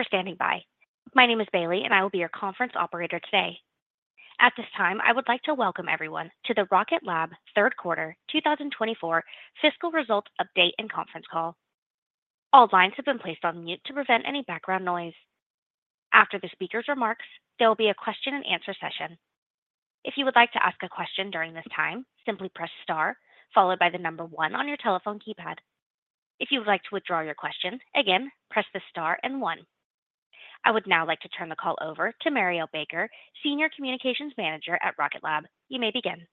Thank you for standing by. My name is Bailey, and I will be your conference operator today. At this time, I would like to welcome everyone to the Rocket Lab Q3 2024 Fiscal Results Update and Conference Call. All lines have been placed on mute to prevent any background noise. After the speaker's remarks, there will be a question-and-answer session. If you would like to ask a question during this time, simply press star, followed by the number one on your telephone keypad. If you would like to withdraw your question, again, press the star and one. I would now like to turn the call over to Murielle Baker, Senior Communications Manager at Rocket Lab. You may begin.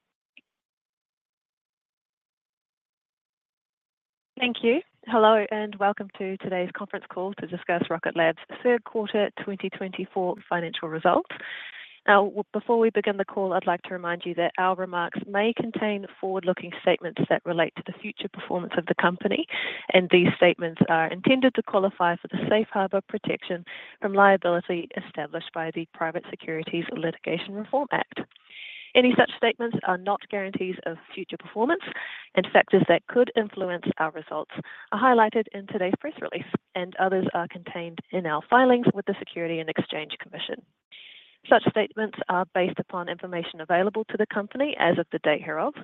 Thank you. Hello, and welcome to today's conference call to discuss Rocket Lab's Q3 2024 financial results. Now, before we begin the call, I'd like to remind you that our remarks may contain forward-looking statements that relate to the future performance of the company, and these statements are intended to qualify for the safe harbor protection from liability established by the Private Securities Litigation Reform Act. Any such statements are not guarantees of future performance, and factors that could influence our results are highlighted in today's press release, and others are contained in our filings with the Securities and Exchange Commission. Such statements are based upon information available to the company as of the day hereof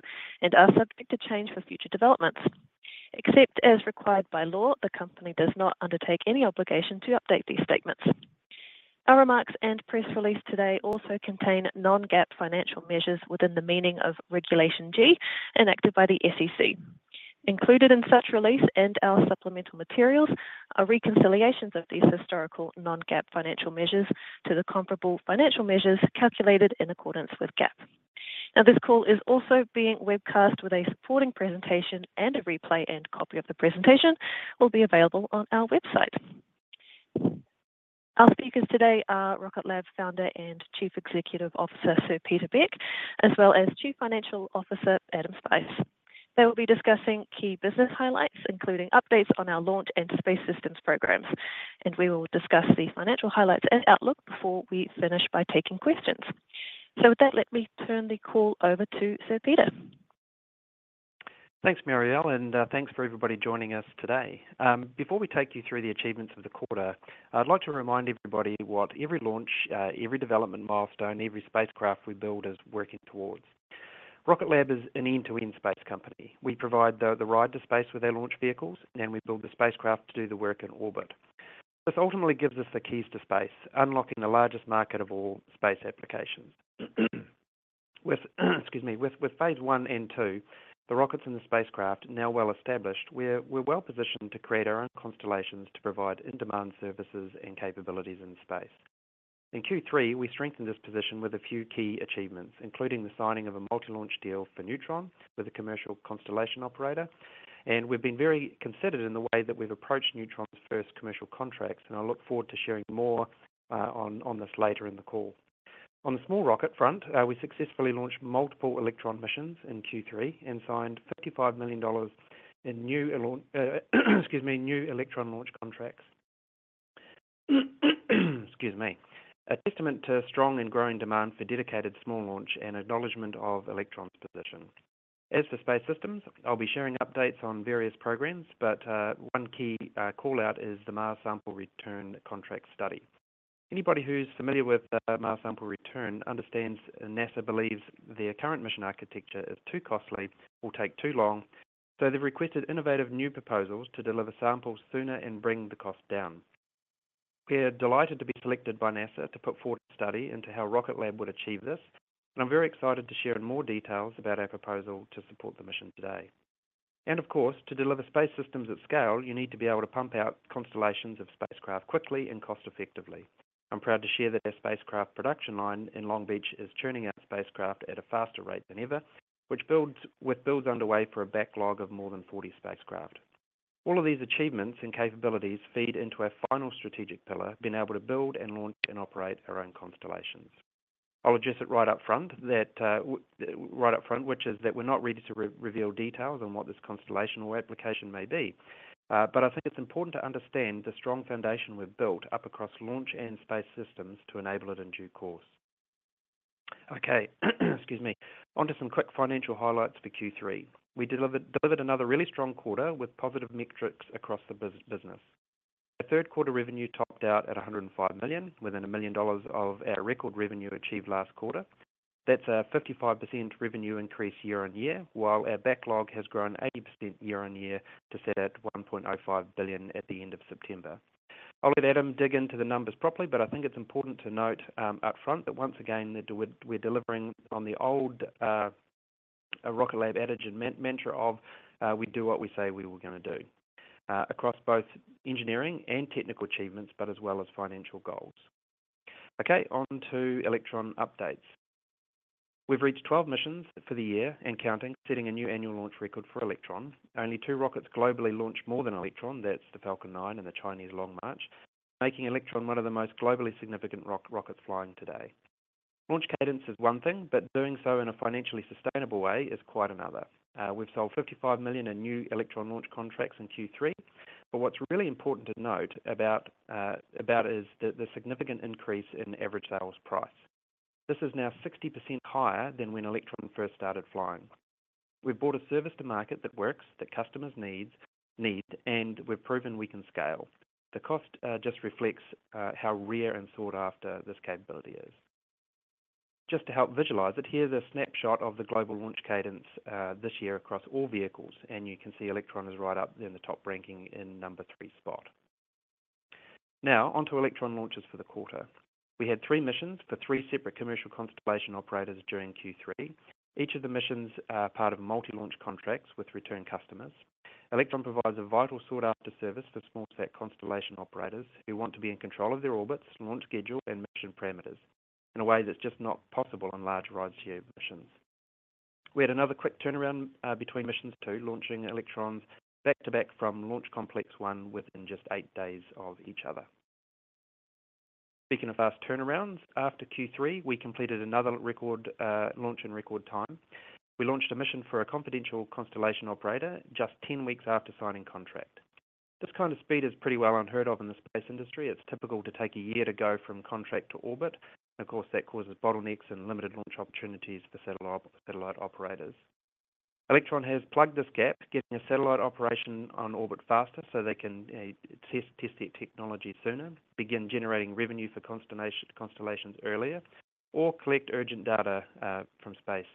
and are subject to change for future developments. Except as required by law, the company does not undertake any obligation to update these statements. Our remarks and press release today also contain non-GAAP financial measures within the meaning of Regulation G enacted by the SEC. Included in such release and our supplemental materials are reconciliations of these historical non-GAAP financial measures to the comparable financial measures calculated in accordance with GAAP. Now, this call is also being webcast, with a supporting presentation, and a replay and copy of the presentation will be available on our website. Our speakers today are Rocket Lab founder and Chief Executive Officer, Sir Peter Beck, as well as Chief Financial Officer, Adam Spice. They will be discussing key business highlights, including updates on our launch and Space Systems programs, and we will discuss the financial highlights and outlook before we finish by taking questions, so with that, let me turn the call over to Sir Peter. Thanks, Murielle, and thanks for everybody joining us today. Before we take you through the achievements of the quarter, I'd like to remind everybody what every launch, every development milestone, every spacecraft we build is working towards. Rocket Lab is an end-to-end space company. We provide the ride to space with our launch vehicles, and we build the spacecraft to do the work in orbit. This ultimately gives us the keys to space, unlocking the largest market of all space applications. Excuse me. With Phase I and II, the rockets and the spacecraft now well established, we're well positioned to create our own constellations to provide in-demand services and capabilities in space. In Q3, we strengthened this position with a few key achievements, including the signing of a multi-launch deal for Neutron with a commercial constellation operator. We've been very considerate in the way that we've approached Neutron's first commercial contracts, and I look forward to sharing more on this later in the call. On the small rocket front, we successfully launched multiple Electron missions in Q3 and signed $55 million in new Electron launch contracts. Excuse me. A testament to strong and growing demand for dedicated small launch and acknowledgement of Electron's position. As for space systems, I'll be sharing updates on various programs, but one key callout is the Mars Sample Return contract study. Anybody who's familiar with Mars Sample Return understands NASA believes their current mission architecture is too costly or takes too long, so they've requested innovative new proposals to deliver samples sooner and bring the cost down. We're delighted to be selected by NASA to put forward a study into how Rocket Lab would achieve this, and I'm very excited to share in more details about our proposal to support the mission today, and of course, to deliver space systems at scale, you need to be able to pump out constellations of spacecraft quickly and cost-effectively. I'm proud to share that our spacecraft production line in Long Beach is churning out spacecraft at a faster rate than ever, which, with builds underway for a backlog of more than 40 spacecraft. All of these achievements and capabilities feed into our final strategic pillar, being able to build, launch, and operate our own constellations. I'll address it right up front, which is that we're not ready to reveal details on what this constellation or application may be, but I think it's important to understand the strong foundation we've built up across launch and space systems to enable it in due course. Okay. Excuse me. On to some quick financial highlights for Q3. We delivered another really strong quarter with positive metrics across the business. Our Q3 revenue topped out at $105 million, within a million dollars of our record revenue achieved last quarter. That's a 55% revenue increase year on year, while our backlog has grown 80% year on year to sit at $1.05 billion at the end of September. I'll let Adam dig into the numbers properly, but I think it's important to note up front that once again, we're delivering on the old Rocket Lab adage and mantra of, "We do what we say we were going to do," across both engineering and technical achievements, but as well as financial goals. Okay. On to Electron updates. We've reached 12 missions for the year and counting, setting a new annual launch record for Electron. Only two rockets globally launch more than Electron. That's the Falcon 9 and the Chinese Long March, making Electron one of the most globally significant rockets flying today. Launch cadence is one thing, but doing so in a financially sustainable way is quite another. We've sold $55 million in new Electron launch contracts in Q3, but what's really important to note about is the significant increase in average sales price. This is now 60% higher than when Electron first started flying. We've brought a service to market that works, that customers need, and we've proven we can scale. The cost just reflects how rare and sought after this capability is. Just to help visualize it, here's a snapshot of the global launch cadence this year across all vehicles, and you can see Electron is right up in the top ranking in number three spot. Now, on to Electron launches for the quarter. We had three missions for three separate commercial constellation operators during Q3. Each of the missions are part of multi-launch contracts with return customers. Electron provides a vital sought-after service for small-scale constellation operators who want to be in control of their orbits, launch schedule, and mission parameters in a way that's just not possible on large rideshare missions. We had another quick turnaround between missions two, launching Electrons back to back from Launch Complex 1 within just eight days of each other. Speaking of fast turnarounds, after Q3, we completed another record launch in record time. We launched a mission for a confidential constellation operator just 10 weeks after signing contract. This kind of speed is pretty well unheard of in the space industry. It's typical to take a year to go from contract to orbit. Of course, that causes bottlenecks and limited launch opportunities for satellite operators. Electron has plugged this gap, getting a satellite operation on orbit faster so they can test their technology sooner, begin generating revenue for constellations earlier, or collect urgent data from space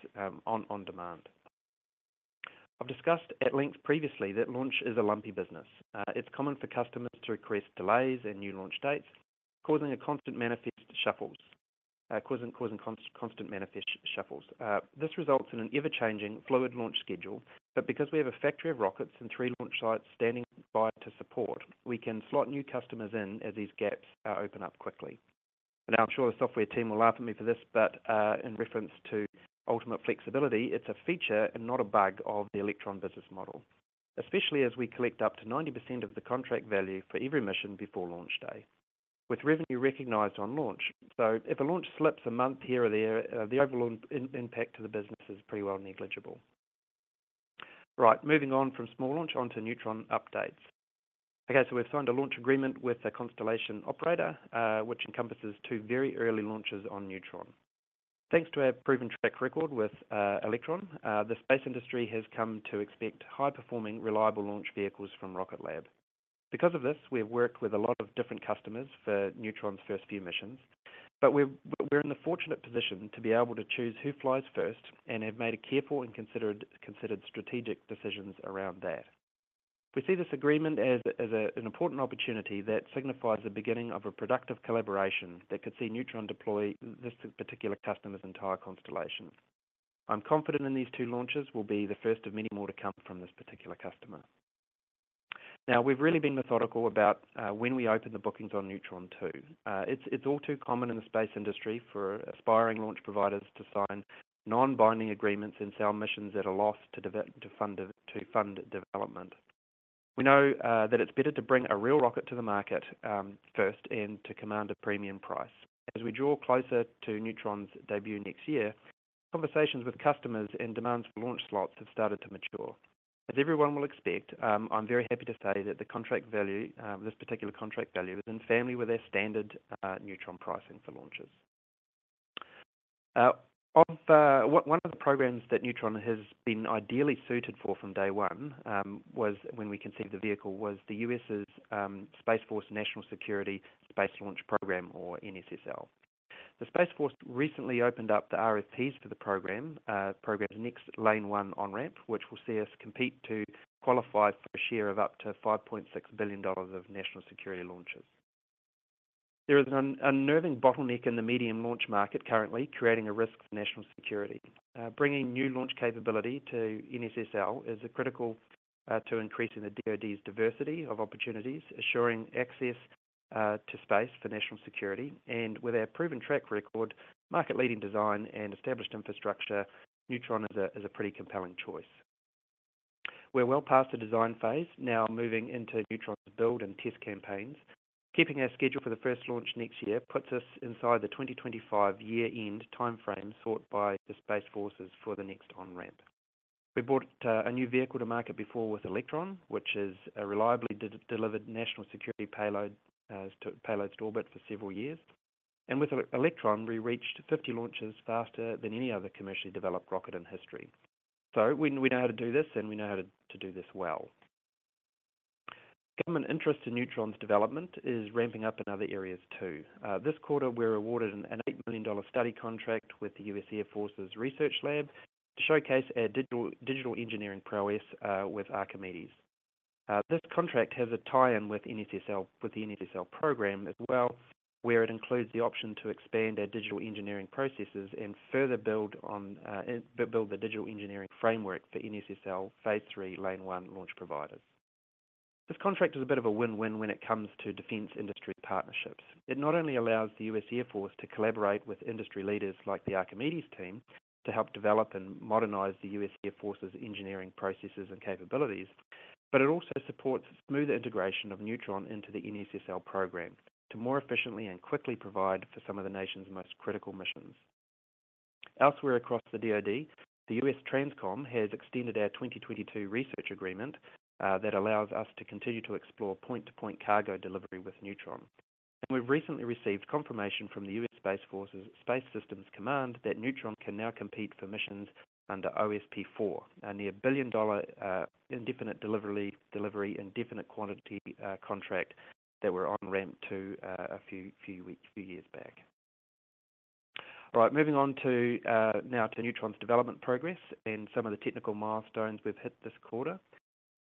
on demand. I've discussed at length previously that launch is a lumpy business. It's common for customers to request delays and new launch dates, causing a constant manifest shuffles. This results in an ever-changing fluid launch schedule, but because we have a factory of rockets and three launch sites standing by to support, we can slot new customers in as these gaps open up quickly. And I'm sure the software team will laugh at me for this, but in reference to ultimate flexibility, it's a feature and not a bug of the Electron business model, especially as we collect up to 90% of the contract value for every mission before launch day, with revenue recognized on launch. So if a launch slips a month here or there, the overall impact to the business is pretty well negligible. Right. Moving on from small launch onto Neutron updates. Okay. So we've signed a launch agreement with a constellation operator, which encompasses two very early launches on Neutron. Thanks to our proven track record with Electron, the space industry has come to expect high-performing, reliable launch vehicles from Rocket Lab. Because of this, we've worked with a lot of different customers for Neutron's first few missions, but we're in the fortunate position to be able to choose who flies first and have made careful and considered strategic decisions around that. We see this agreement as an important opportunity that signifies the beginning of a productive collaboration that could see Neutron deploy this particular customer's entire constellation. I'm confident these two launches will be the first of many more to come from this particular customer. Now, we've really been methodical about when we open the bookings on Neutron, too. It's all too common in the space industry for aspiring launch providers to sign non-binding agreements and sell missions at a loss to fund development. We know that it's better to bring a real rocket to the market first and to command a premium price. As we draw closer to Neutron's debut next year, conversations with customers and demands for launch slots have started to mature. As everyone will expect, I'm very happy to say that this particular contract value is in line with our standard Neutron pricing for launches. One of the programs that Neutron has been ideally suited for from day one when we conceived the vehicle was the U.S. Space Force National Security Space Launch Program, or NSSL. The Space Force recently opened up the RFPs for the program, NSSL Phase III Lane 1 on-ramp, which will see us compete to qualify for a share of up to $5.6 billion of national security launches. There is an unnerving bottleneck in the medium launch market currently, creating a risk for national security. Bringing new launch capability to NSSL is critical to increasing the DoD's diversity of opportunities, assuring access to space for national security, and with our proven track record, market-leading design, and established infrastructure, Neutron is a pretty compelling choice. We're well past the design phase, now moving into Neutron's build and test campaigns. Keeping our schedule for the first launch next year puts us inside the 2025 year-end timeframe sought by the Space Force for the next on-ramp. We brought a new vehicle to market before with Electron, which is a reliably delivered national security payload to orbit for several years, and with Electron, we reached 50 launches faster than any other commercially developed rocket in history, so we know how to do this, and we know how to do this well. Government interest in Neutron's development is ramping up in other areas too. This quarter, we were awarded an $8 million study contract with the U.S. Air Force's research lab to showcase our digital engineering prowess with Archimedes. This contract has a tie-in with the NSSL program as well, where it includes the option to expand our digital engineering processes and further build the digital engineering framework for NSSL phase III lane 1 launch providers. This contract is a bit of a win-win when it comes to defense industry partnerships. It not only allows the U.S. Air Force to collaborate with industry leaders like the Archimedes team to help develop and modernize the U.S. Air Force's engineering processes and capabilities, but it also supports smoother integration of Neutron into the NSSL program to more efficiently and quickly provide for some of the nation's most critical missions. Elsewhere across the DOD, the USTRANSCOM has extended our 2022 research agreement that allows us to continue to explore point-to-point cargo delivery with Neutron. We've recently received confirmation from the U.S. Space Force's Space Systems Command that Neutron can now compete for missions under OSP-4, a near-$1 billion indefinite delivery, indefinite quantity contract that we're on-ramped to a few years back. All right. Moving on now to Neutron's development progress and some of the technical milestones we've hit this quarter.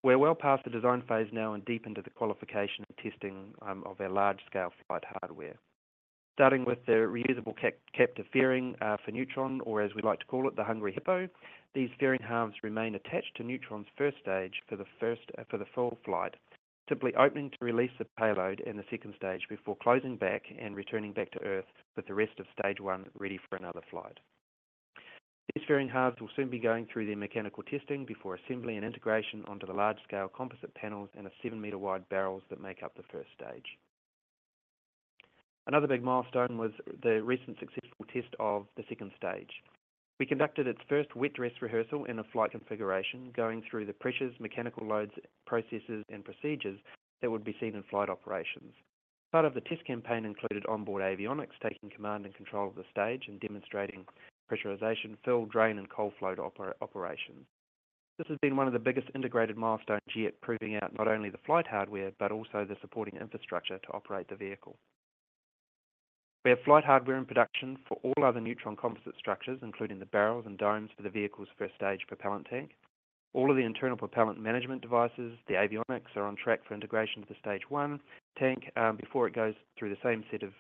We're well past the design phase now and deep into the qualification and testing of our large-scale flight hardware. Starting with the reusable captive fairing for Neutron, or as we like to call it, the Hungry Hippo, these fairing halves remain attached to Neutron's first stage for the full flight, simply opening to release the payload in the second stage before closing back and returning back to Earth with the rest of stage one ready for another flight. These fairing halves will soon be going through their mechanical testing before assembly and integration onto the large-scale composite panels and the seven-meter-wide barrels that make up the first stage. Another big milestone was the recent successful test of the second stage. We conducted its first wet dress rehearsal in a flight configuration, going through the pressures, mechanical loads, processes, and procedures that would be seen in flight operations. Part of the test campaign included onboard avionics taking command and control of the stage and demonstrating pressurization, fill, drain, and cold flow operations. This has been one of the biggest integrated milestones yet, proving out not only the flight hardware but also the supporting infrastructure to operate the vehicle. We have flight hardware in production for all other Neutron composite structures, including the barrels and domes for the vehicle's first stage propellant tank. All of the internal propellant management devices, the avionics, are on track for integration to the stage one tank before it goes through the same set of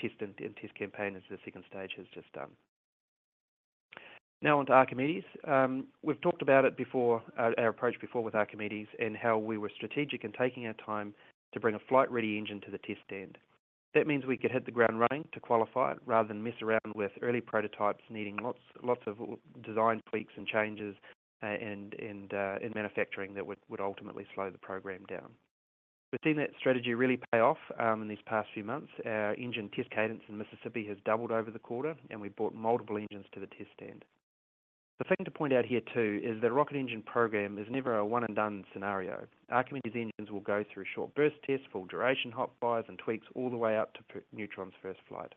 tests and test campaigns as the second stage has just done. Now, onto Archimedes. We've talked about our approach before with Archimedes and how we were strategic in taking our time to bring a flight-ready engine to the test stand. That means we could hit the ground running to qualify rather than mess around with early prototypes needing lots of design tweaks and changes in manufacturing that would ultimately slow the program down. We've seen that strategy really pay off in these past few months. Our engine test cadence in Mississippi has doubled over the quarter, and we've brought multiple engines to the test stand. The thing to point out here too is the rocket engine program is never a one-and-done scenario. Archimedes engines will go through short burst tests, full duration hot fires, and tweaks all the way up to Neutron's first flight.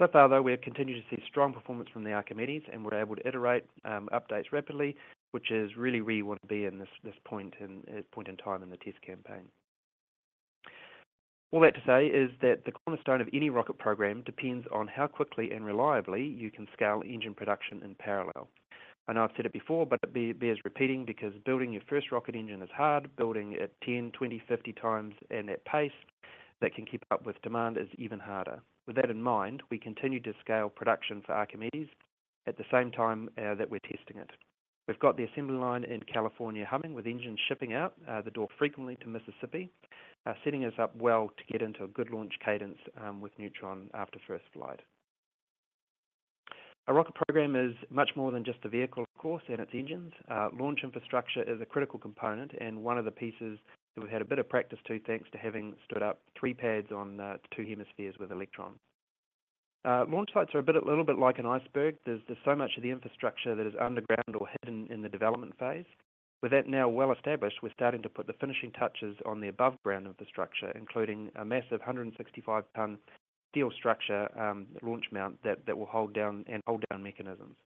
So far, though, we have continued to see strong performance from the Archimedes, and we're able to iterate updates rapidly, which is really where you want to be at this point in time in the test campaign. All that to say is that the cornerstone of any rocket program depends on how quickly and reliably you can scale engine production in parallel. I know I've said it before, but it bears repeating because building your first rocket engine is hard. Building it 10, 20, 50 times at that pace that can keep up with demand is even harder. With that in mind, we continue to scale production for Archimedes at the same time that we're testing it. We've got the assembly line in California humming with engines shipping out the door frequently to Mississippi, setting us up well to get into a good launch cadence with Neutron after first flight. A rocket program is much more than just the vehicle, of course, and its engines. Launch infrastructure is a critical component and one of the pieces that we've had a bit of practice to, thanks to having stood up three pads on two hemispheres with Electron. Launch sites are a little bit like an iceberg. There's so much of the infrastructure that is underground or hidden in the development phase. With that now well established, we're starting to put the finishing touches on the above-ground infrastructure, including a massive 165-ton steel structure launch mount that will hold-down mechanisms.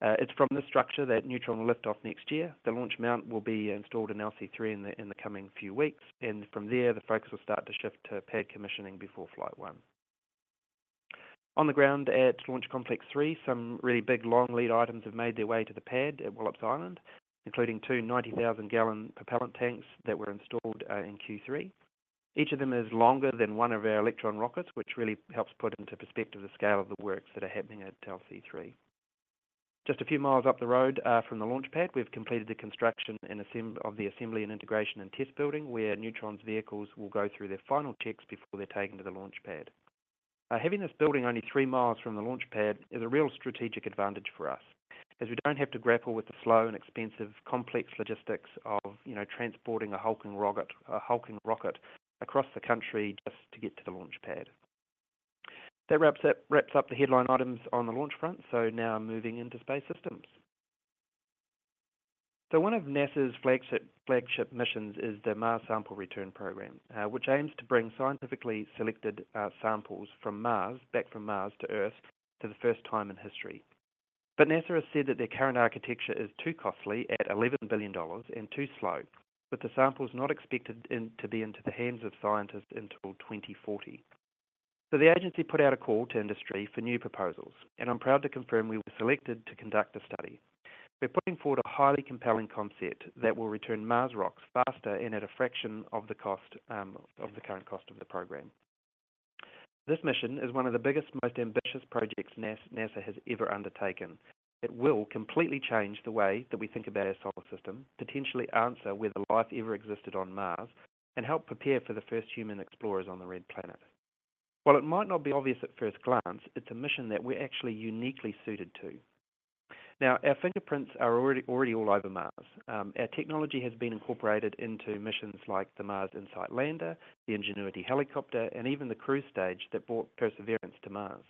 It's from this structure that Neutron will lift off next year. The launch mount will be installed in LC-3 in the coming few weeks, and from there, the focus will start to shift to pad commissioning before flight one. On the ground at Launch Complex 3, some really big long lead items have made their way to the pad at Wallops Island, including two 90,000-gallon propellant tanks that were installed in Q3. Each of them is longer than one of our Electron rockets, which really helps put into perspective the scale of the works that are happening at LC-3. Just a few miles up the road from the launch pad, we've completed the construction and assembly of the assembly and integration and test building where Neutron's vehicles will go through their final checks before they're taken to the launch pad. Having this building only three miles from the launch pad is a real strategic advantage for us, as we don't have to grapple with the slow and expensive complex logistics of transporting a hulking rocket across the country just to get to the launch pad. That wraps up the headline items on the launch front. So now moving into space systems. So one of NASA's flagship missions is the Mars Sample Return Program, which aims to bring scientifically selected samples back from Mars to Earth for the first time in history. But NASA has said that their current architecture is too costly at $11 billion and too slow, with the samples not expected to be in the hands of scientists until 2040. So the agency put out a call to industry for new proposals, and I'm proud to confirm we were selected to conduct the study. We're putting forward a highly compelling concept that will return Mars rocks faster and at a fraction of the current cost of the program. This mission is one of the biggest, most ambitious projects NASA has ever undertaken. It will completely change the way that we think about our Solar system, potentially answer whether life ever existed on Mars, and help prepare for the first human explorers on the red planet. While it might not be obvious at first glance, it's a mission that we're actually uniquely suited to. Now, our fingerprints are already all over Mars. Our technology has been incorporated into missions like the Mars InSight lander, the Ingenuity helicopter, and even the cruise stage that brought Perseverance to Mars,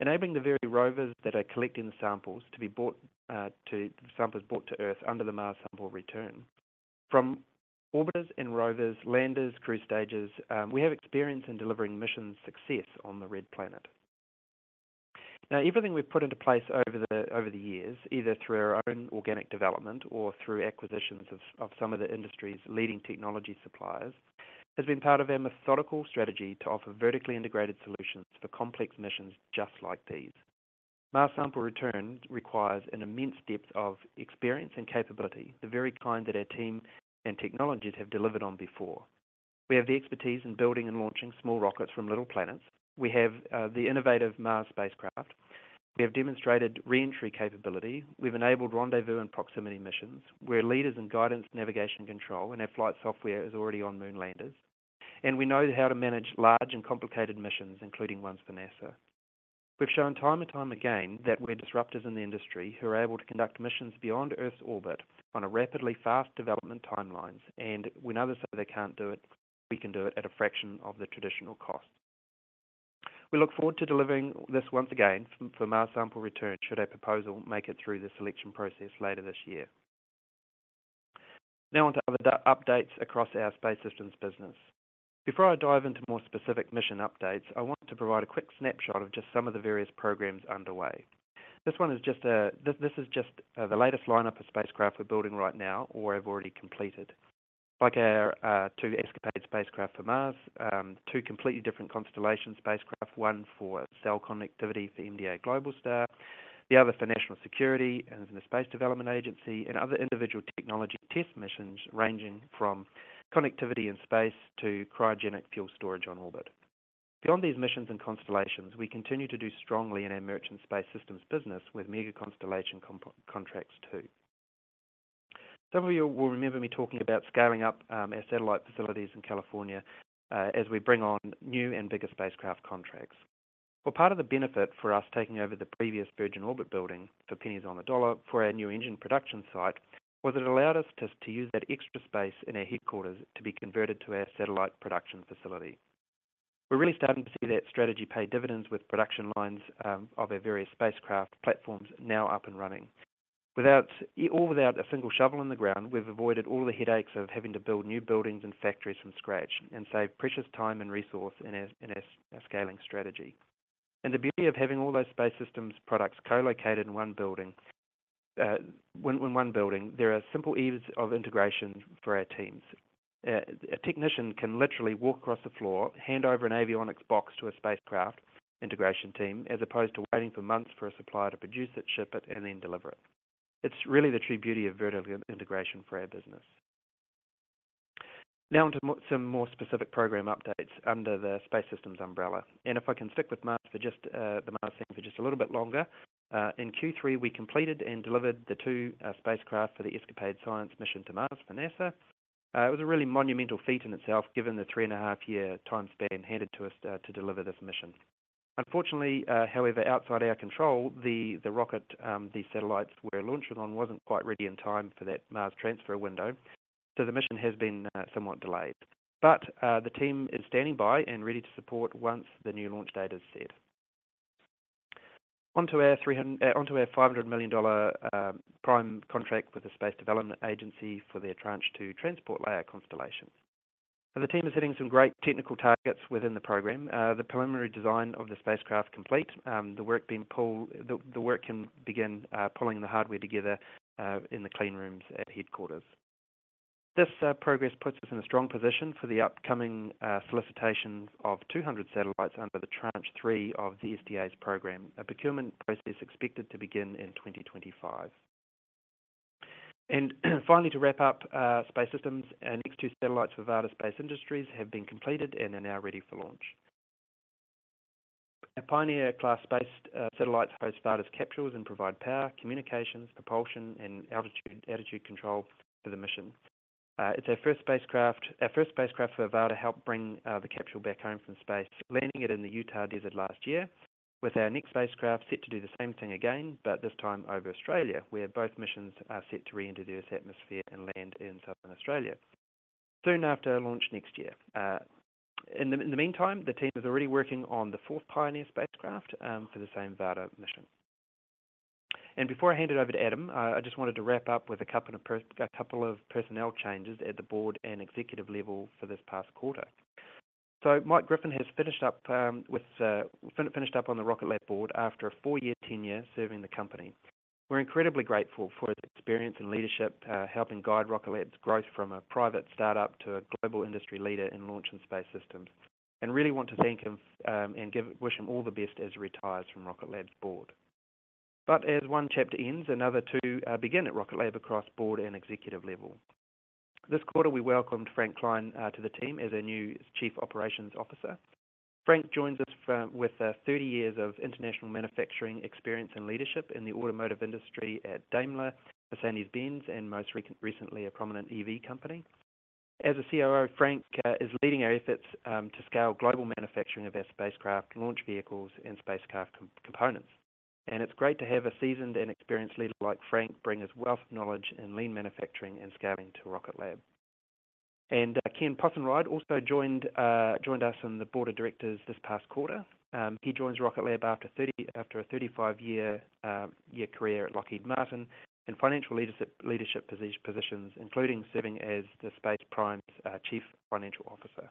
enabling the very rovers that are collecting the samples to be brought to Earth under the Mars Sample Return. From orbiters and rovers, landers, cruise stages, we have experience in delivering mission success on the red planet. Now, everything we've put into place over the years, either through our own organic development or through acquisitions of some of the industry's leading technology suppliers, has been part of our methodical strategy to offer vertically integrated solutions for complex missions just like these. Mars Sample Return requires an immense depth of experience and capability, the very kind that our team and technologies have delivered on before. We have the expertise in building and launching small rockets from little planets. We have the innovative Mars spacecraft. We have demonstrated re-entry capability. We've enabled rendezvous and proximity missions. We're leaders in guidance, navigation, control, and our flight software is already on moon landers, and we know how to manage large and complicated missions, including ones for NASA. We've shown time and time again that we're disruptors in the industry who are able to conduct missions beyond Earth's orbit on rapidly fast development timelines, and when others say they can't do it, we can do it at a fraction of the traditional cost. We look forward to delivering this once again for Mars Sample Return should our proposal make it through the selection process later this year. Now, onto other updates across our space systems business. Before I dive into more specific mission updates, I want to provide a quick snapshot of just some of the various programs underway. This is just the latest lineup of spacecraft we're building right now or have already completed, like our two ESCAPADE spacecraft for Mars, two completely different constellation spacecraft, one for cell connectivity for MDA, Globalstar, the other for national security and the Space Development Agency, and other individual technology test missions ranging from connectivity in space to cryogenic fuel storage on orbit. Beyond these missions and constellations, we continue to do strongly in our merchant space systems business with mega constellation contracts too. Some of you will remember me talking about scaling up our satellite facilities in California as we bring on new and bigger spacecraft contracts. Part of the benefit for us taking over the previous Virgin Orbit building for pennies on the dollar for our new engine production site was it allowed us to use that extra space in our headquarters to be converted to our satellite production facility. We're really starting to see that strategy pay dividends with production lines of our various spacecraft platforms now up and running. All without a single shovel in the ground, we've avoided all the headaches of having to build new buildings and factories from scratch and save precious time and resource in our scaling strategy. The beauty of having all those space systems products co-located in one building, there are simple ease of integration for our teams. A technician can literally walk across the floor, hand over an avionics box to a spacecraft integration team, as opposed to waiting for months for a supplier to produce it, ship it, and then deliver it. It's really the true beauty of vertical integration for our business. Now, onto some more specific program updates under the space systems umbrella, and if I can stick with Mars for just the Mars thing for just a little bit longer, in Q3, we completed and delivered the two spacecraft for the ESCAPADE science mission to Mars for NASA. It was a really monumental feat in itself, given the three-and-a-half-year time span handed to us to deliver this mission. Unfortunately, however, outside our control, the rocket the satellites were launching on wasn't quite ready in time for that Mars transfer window. So the mission has been somewhat delayed. But the team is standing by and ready to support once the new launch date is set. Onto our $500 million prime contract with the Space Development Agency for their Tranche 2 Transport Layer constellation. The team is hitting some great technical targets within the program. The preliminary design of the spacecraft complete. The work can begin pulling the hardware together in the clean rooms at headquarters. This progress puts us in a strong position for the upcoming solicitation of 200 satellites under the Tranche 3 of the SDA's program, a procurement process expected to begin in 2025. And finally, to wrap up, Space Systems and two satellites for Varda Space Industries have been completed and are now ready for launch. Our Pioneer-class space satellites host Varda's capsules and provide power, communications, propulsion, and attitude control for the mission. It's our first spacecraft for Varda to help bring the capsule back home from space, landing it in the Utah desert last year, with our next spacecraft set to do the same thing again, but this time over Australia, where both missions are set to re-enter the Earth's atmosphere and land in southern Australia soon after launch next year. In the meantime, the team is already working on the fourth Pioneer spacecraft for the same Varda mission. And before I hand it over to Adam, I just wanted to wrap up with a couple of personnel changes at the board and executive level for this past quarter. So Mike Griffin has finished up on the Rocket Lab board after a four-year tenure serving the company. We're incredibly grateful for his experience and leadership helping guide Rocket Lab's growth from a private startup to a global industry leader in launch and space systems, and really want to thank him and wish him all the best as he retires from Rocket Lab's board. But as one chapter ends, another two begin at Rocket Lab across the board and executive level. This quarter, we welcomed Frank Klein to the team as our new Chief Operations Officer. Frank joins us with 30 years of international manufacturing experience and leadership in the automotive industry at Daimler, Mercedes-Benz, and most recently, a prominent EV company. As a COO, Frank is leading our efforts to scale global manufacturing of our spacecraft, launch vehicles, and spacecraft components. And it's great to have a seasoned and experienced leader like Frank bring his wealth of knowledge in lean manufacturing and scaling to Rocket Lab. Ken Possenriede also joined us in the board of directors this past quarter. He joins Rocket Lab after a 35-year career at Lockheed Martin in financial leadership positions, including serving as the space prime chief financial officer.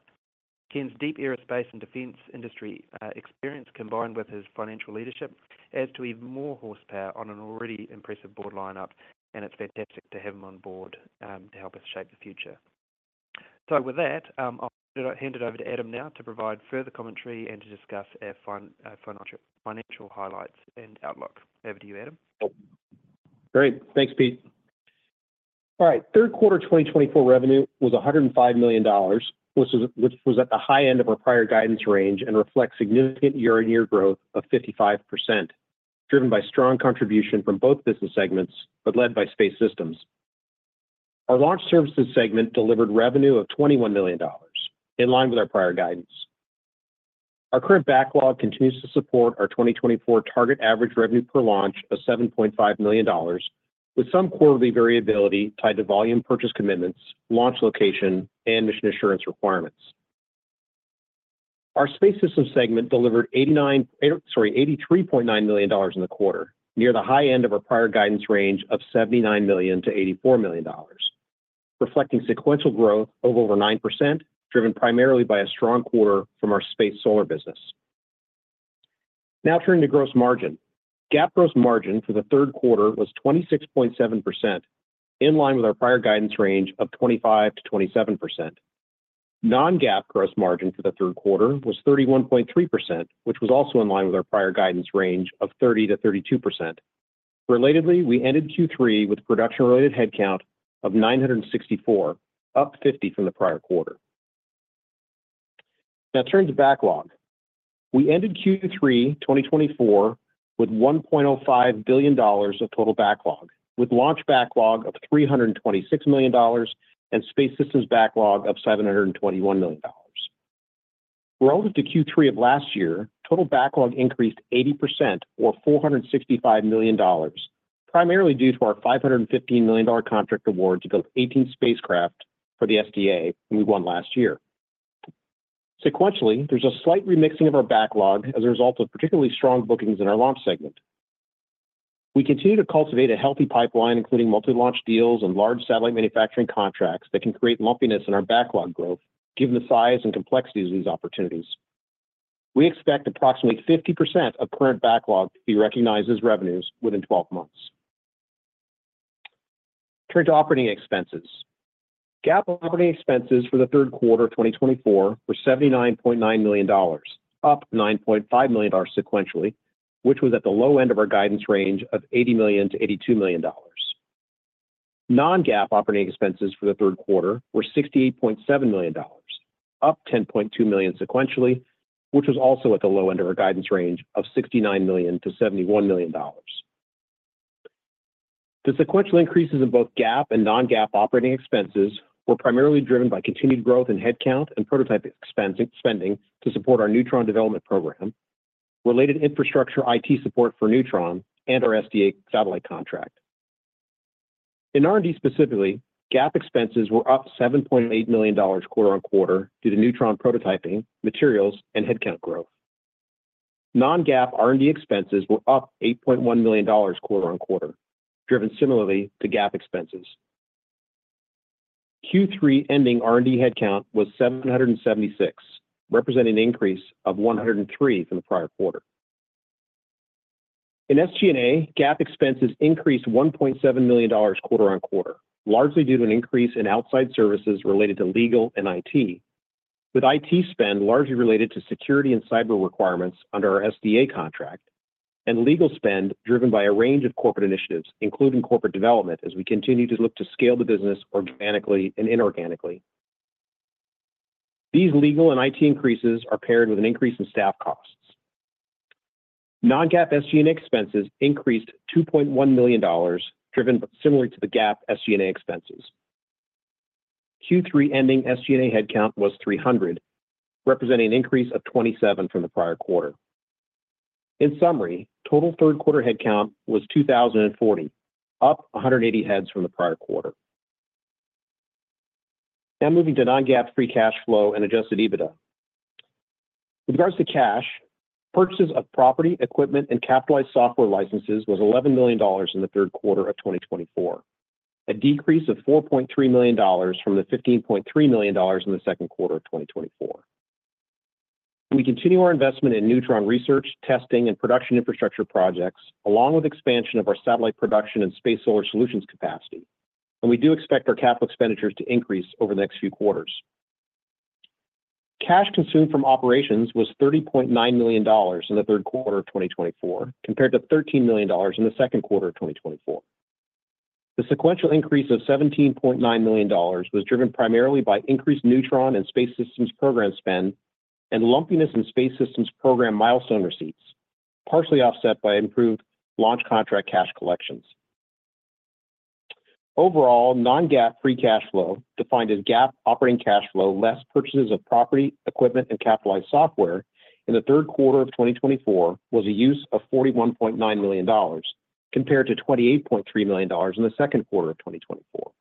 Ken's deep aerospace and defense industry experience, combined with his financial leadership, adds to even more horsepower on an already impressive board lineup, and it's fantastic to have him on board to help us shape the future. With that, I'll hand it over to Adam now to provide further commentary and to discuss our financial highlights and outlook. Over to you, Adam. Great. Thanks, Pete. All right. Q3 2024 revenue was $105 million, which was at the high end of our prior guidance range and reflects significant year-on-year growth of 55%, driven by strong contribution from both business segments, but led by Space Systems. Our launch services segment delivered revenue of $21 million, in line with our prior guidance. Our current backlog continues to support our 2024 target average revenue per launch of $7.5 million, with some quarterly variability tied to volume purchase commitments, launch location, and mission assurance requirements. Our space systems segment delivered $83.9 million in the quarter, near the high end of our prior guidance range of $79 to 84 million, reflecting sequential growth of over 9%, driven primarily by a strong quarter from our space solar business. Now, turning to gross margin. GAAP gross margin for the Q3 was 26.7%, in line with our prior guidance range of 25%-27%. Non-GAAP gross margin for the Q3 was 31.3%, which was also in line with our prior guidance range of 30%-32%. Relatedly, we ended Q3 with production-related headcount of 964, up 50 from the prior quarter. Now, turning to backlog. We ended Q3 2024 with $1.05 billion of total backlog, with launch backlog of $326 million and space systems backlog of $721 million. Relative to Q3 of last year, total backlog increased 80%, or $465 million, primarily due to our $515 million contract award to build 18 spacecraft for the SDA we won last year. Sequentially, there's a slight remixing of our backlog as a result of particularly strong bookings in our launch segment. We continue to cultivate a healthy pipeline, including multi-launch deals and large satellite manufacturing contracts that can create lumpiness in our backlog growth, given the size and complexities of these opportunities. We expect approximately 50% of current backlog to be recognized as revenues within 12 months. Turn to operating expenses. GAAP operating expenses for the Q3 2024 were $79.9 million, up $9.5 million sequentially, which was at the low end of our guidance range of $80-82 million. Non-GAAP operating expenses for the Q3 were $68.7 million, up $10.2 million sequentially, which was also at the low end of our guidance range of $69-71 million. The sequential increases in both GAAP and Non-GAAP operating expenses were primarily driven by continued growth in headcount and prototype spending to support our Neutron development program, related infrastructure IT support for Neutron, and our SDA satellite contract. In R&D specifically, GAAP expenses were up $7.8 million quarter-on-quarter due to Neutron prototyping, materials, and headcount growth. Non-GAAP R&D expenses were up $8.1 million quarter-on-quarter, driven similarly to GAAP expenses. Q3 ending R&D headcount was 776, representing an increase of 103 from the prior quarter. In SG&A, GAAP expenses increased $1.7 million quarter-on-quarter, largely due to an increase in outside services related to legal and IT, with IT spend largely related to security and cyber requirements under our SDA contract and legal spend driven by a range of corporate initiatives, including corporate development, as we continue to look to scale the business organically and inorganically. These legal and IT increases are paired with an increase in staff costs. Non-GAAP SG&A expenses increased $2.1 million, driven similarly to the GAAP SG&A expenses. Q3 ending SG&A headcount was 300, representing an increase of 27 from the prior quarter. In summary, total Q3 headcount was 2,040, up 180 heads from the prior quarter. Now, moving to non-GAAP free cash flow and adjusted EBITDA. With regards to cash, purchases of property, equipment, and capitalized software licenses was $11 million in the Q3 of 2024, a decrease of $4.3 million from the $15.3 million in the Q2 of 2024. We continue our investment in Neutron research, testing, and production infrastructure projects, along with expansion of our satellite production and space systems capacity. And we do expect our capital expenditures to increase over the next few quarters. Cash consumed from operations was $30.9 million in the Q3 of 2024, compared to $13 million in the Q2 of 2024. The sequential increase of $17.9 million was driven primarily by increased Neutron and space systems program spend and lumpiness in space systems program milestone receipts, partially offset by improved launch contract cash collections. Overall, non-GAAP free cash flow, defined as GAAP operating cash flow less purchases of property, equipment, and capitalized software in the Q3 of 2024, was a use of $41.9 million, compared to $28.3 million in the Q2 of 2024.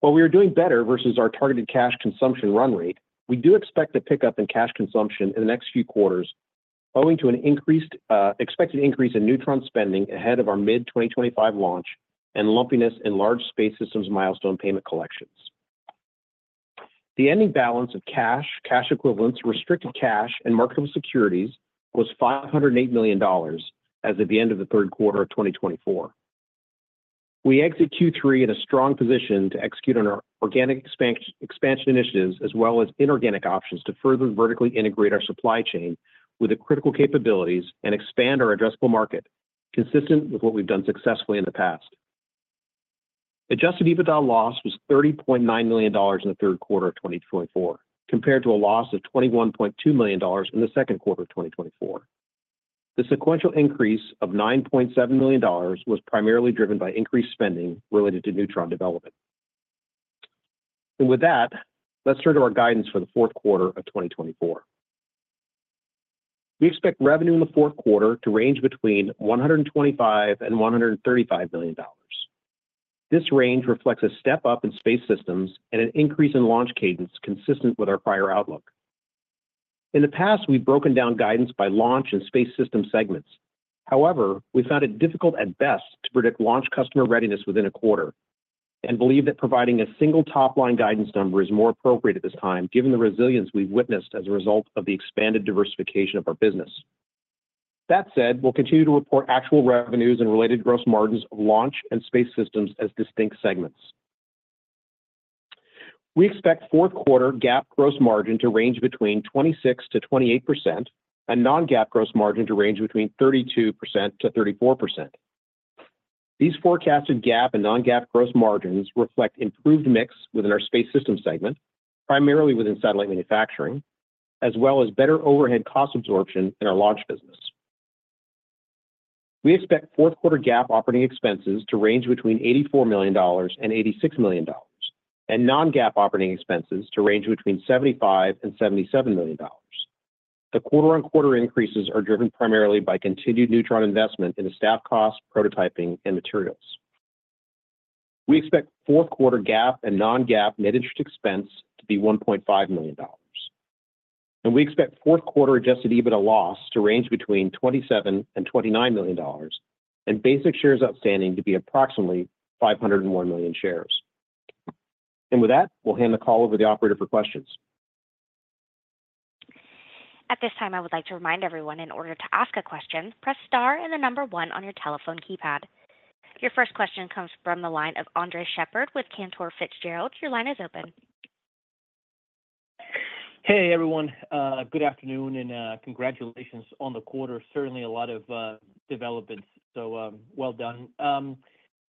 While we are doing better versus our targeted cash consumption run rate, we do expect a pickup in cash consumption in the next few quarters, owing to an expected increase in Neutron spending ahead of our mid-2025 launch and lumpiness in large space systems milestone payment collections. The ending balance of cash, cash equivalents, restricted cash, and marketable securities was $508 million as of the end of the Q3 of 2024. We exit Q3 in a strong position to execute on our organic expansion initiatives, as well as inorganic options to further vertically integrate our supply chain with the critical capabilities and expand our addressable market, consistent with what we've done successfully in the past. Adjusted EBITDA loss was $30.9 million in the Q3 of 2024, compared to a loss of $21.2 million in the Q2 of 2024. The sequential increase of $9.7 million was primarily driven by increased spending related to Neutron development. And with that, let's turn to our guidance for the Q4 of 2024. We expect revenue in the Q4 to range between $125 and $135 million. This range reflects a step up in space systems and an increase in launch cadence consistent with our prior outlook. In the past, we've broken down guidance by launch and space system segments. However, we found it difficult at best to predict launch customer readiness within a quarter and believe that providing a single top-line guidance number is more appropriate at this time, given the resilience we've witnessed as a result of the expanded diversification of our business. That said, we'll continue to report actual revenues and related gross margins of launch and space systems as distinct segments. We expect Q4 GAAP gross margin to range between 26%-28% and non-GAAP gross margin to range between 32%-34%. These forecasted GAAP and non-GAAP gross margins reflect improved mix within our space system segment, primarily within satellite manufacturing, as well as better overhead cost absorption in our launch business. We expect Q4 GAAP operating expenses to range between $84 million and $86 million, and non-GAAP operating expenses to range between $75 million and $77 million. The quarter-on-quarter increases are driven primarily by continued Neutron investment in the staff costs, prototyping, and materials. We expect Q4 GAAP and non-GAAP net interest expense to be $1.5 million. And we expect Q4 adjusted EBITDA loss to range between $27 and $29 million, and basic shares outstanding to be approximately 501 million shares. And with that, we'll hand the call over to the operator for questions. At this time, I would like to remind everyone, in order to ask a question, press star and the number one on your telephone keypad. Your first question comes from the line of Andres Sheppard with Cantor Fitzgerald. Your line is open. Hey, everyone. Good afternoon and congratulations on the quarter. Certainly a lot of developments, so well done.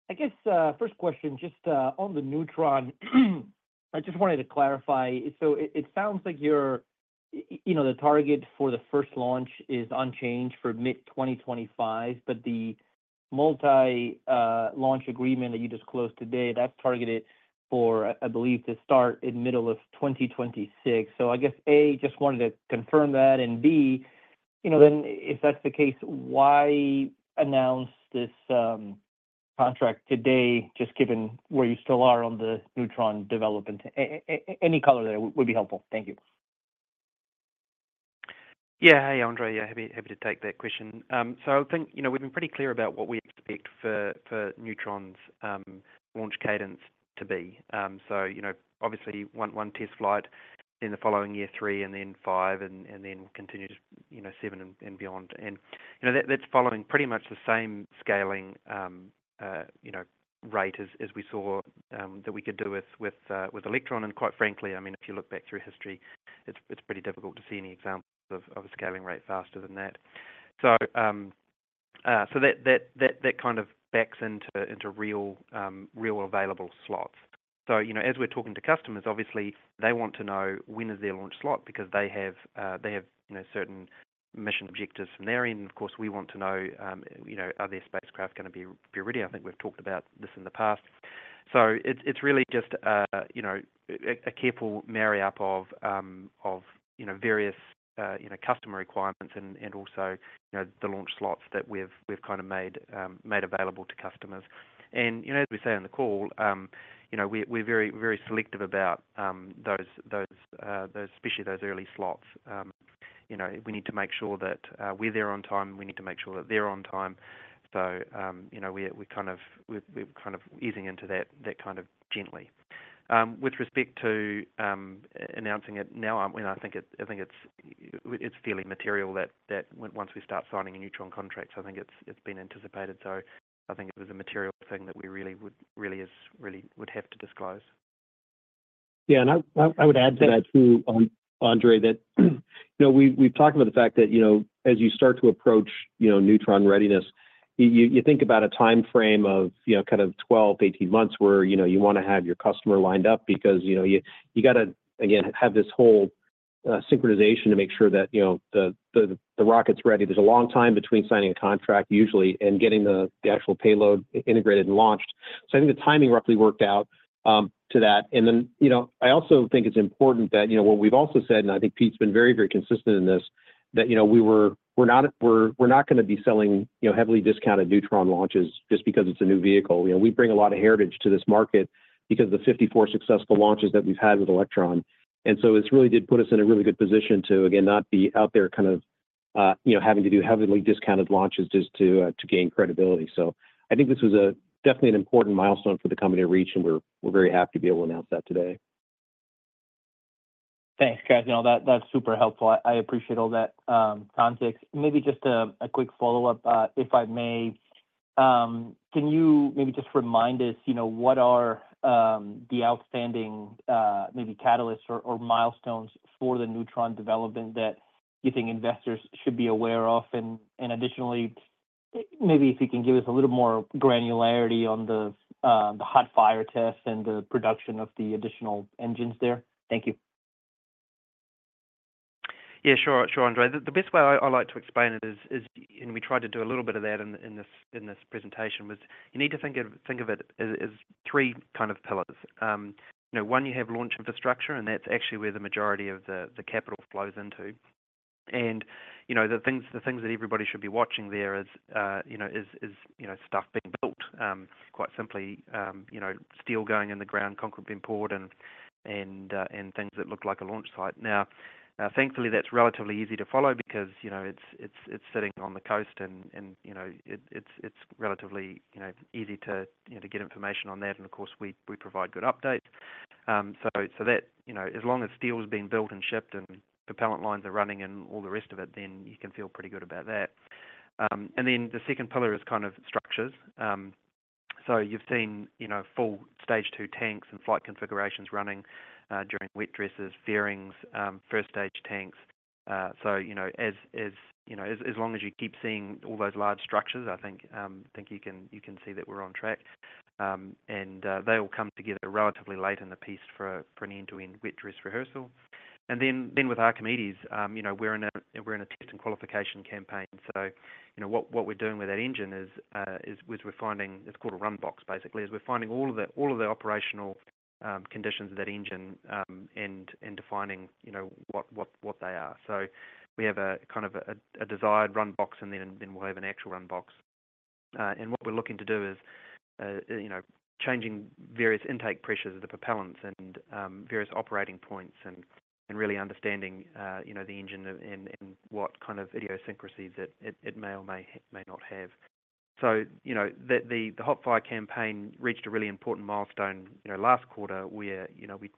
I guess first question, just on the Neutron, I just wanted to clarify. So it sounds like the target for the first launch is unchanged for mid-2025, but the multi-launch agreement that you disclosed today, that's targeted for, I believe, to start in the middle of 2026. So I guess, A, just wanted to confirm that, and B, then if that's the case, why announce this contract today, just given where you still are on the Neutron development? Any color there would be helpful. Thank you. Yeah, hey, Andre. Yeah, happy to take that question. So I think we've been pretty clear about what we expect for Neutron's launch cadence to be. So obviously, one test flight in the following year, three, and then five, and then continue to seven and beyond. And that's following pretty much the same scaling rate as we saw that we could do with Electron. And quite frankly, I mean, if you look back through history, it's pretty difficult to see any example of a scaling rate faster than that. So that kind of backs into real available slots. So as we're talking to customers, obviously, they want to know when is their launch slot because they have certain mission objectives from their end. Of course, we want to know, are their spacecraft going to be ready? I think we've talked about this in the past. So it's really just a careful marry-up of various customer requirements and also the launch slots that we've kind of made available to customers. And as we say on the call, we're very selective about those, especially those early slots. We need to make sure that we're there on time. We need to make sure that they're on time. So we're kind of easing into that kind of gently. With respect to announcing it now, I think it's fairly material that once we start signing a Neutron contract, I think it's been anticipated. So I think it was a material thing that we really would have to disclose. Yeah, and I would add to that too, Andre, that we've talked about the fact that as you start to approach Neutron readiness. You think about a timeframe of kind of 12-18 months where you want to have your customer lined up because you got to, again, have this whole synchronization to make sure that the rocket's ready. There's a long time between signing a contract usually and getting the actual payload integrated and launched, so I think the timing roughly worked out to that, and then I also think it's important that what we've also said, and I think Pete's been very, very consistent in this, that we're not going to be selling heavily discounted Neutron launches just because it's a new vehicle. We bring a lot of heritage to this market because of the 54 successful launches that we've had with Electron. And so it really did put us in a really good position to, again, not be out there kind of having to do heavily discounted launches just to gain credibility. So I think this was definitely an important milestone for the company to reach, and we're very happy to be able to announce that today. Thanks, guys. That's super helpful. I appreciate all that context. Maybe just a quick follow-up, if I may. Can you maybe just remind us what are the outstanding maybe catalysts or milestones for the Neutron development that you think investors should be aware of? And additionally, maybe if you can give us a little more granularity on the hot fire test and the production of the additional engines there. Thank you. Yeah, sure, sure, Andre. The best way I like to explain it is, and we tried to do a little bit of that in this presentation, was you need to think of it as three kind of pillars. One, you have launch infrastructure, and that's actually where the majority of the capital flows into. And the things that everybody should be watching there is stuff being built, quite simply, steel going in the ground, concrete being poured, and things that look like a launch site. Now, thankfully, that's relatively easy to follow because it's sitting on the coast, and it's relatively easy to get information on that. And of course, we provide good updates. So as long as steel is being built and shipped and propellant lines are running and all the rest of it, then you can feel pretty good about that. And then the second pillar is kind of structures. So you've seen full stage two tanks and flight configurations running during wet dresses, fairings, first stage tanks. So as long as you keep seeing all those large structures, I think you can see that we're on track. And they all come together relatively late in the piece for an end-to-end wet dress rehearsal. And then with Archimedes, we're in a test and qualification campaign. So what we're doing with that engine is we're finding it's called a run box, basically, is we're finding all of the operational conditions of that engine and defining what they are. So we have kind of a desired run box, and then we'll have an actual run box. What we're looking to do is changing various intake pressures of the propellants and various operating points and really understanding the engine and what kind of idiosyncrasies it may or may not have. The hot fire campaign reached a really important milestone last quarter where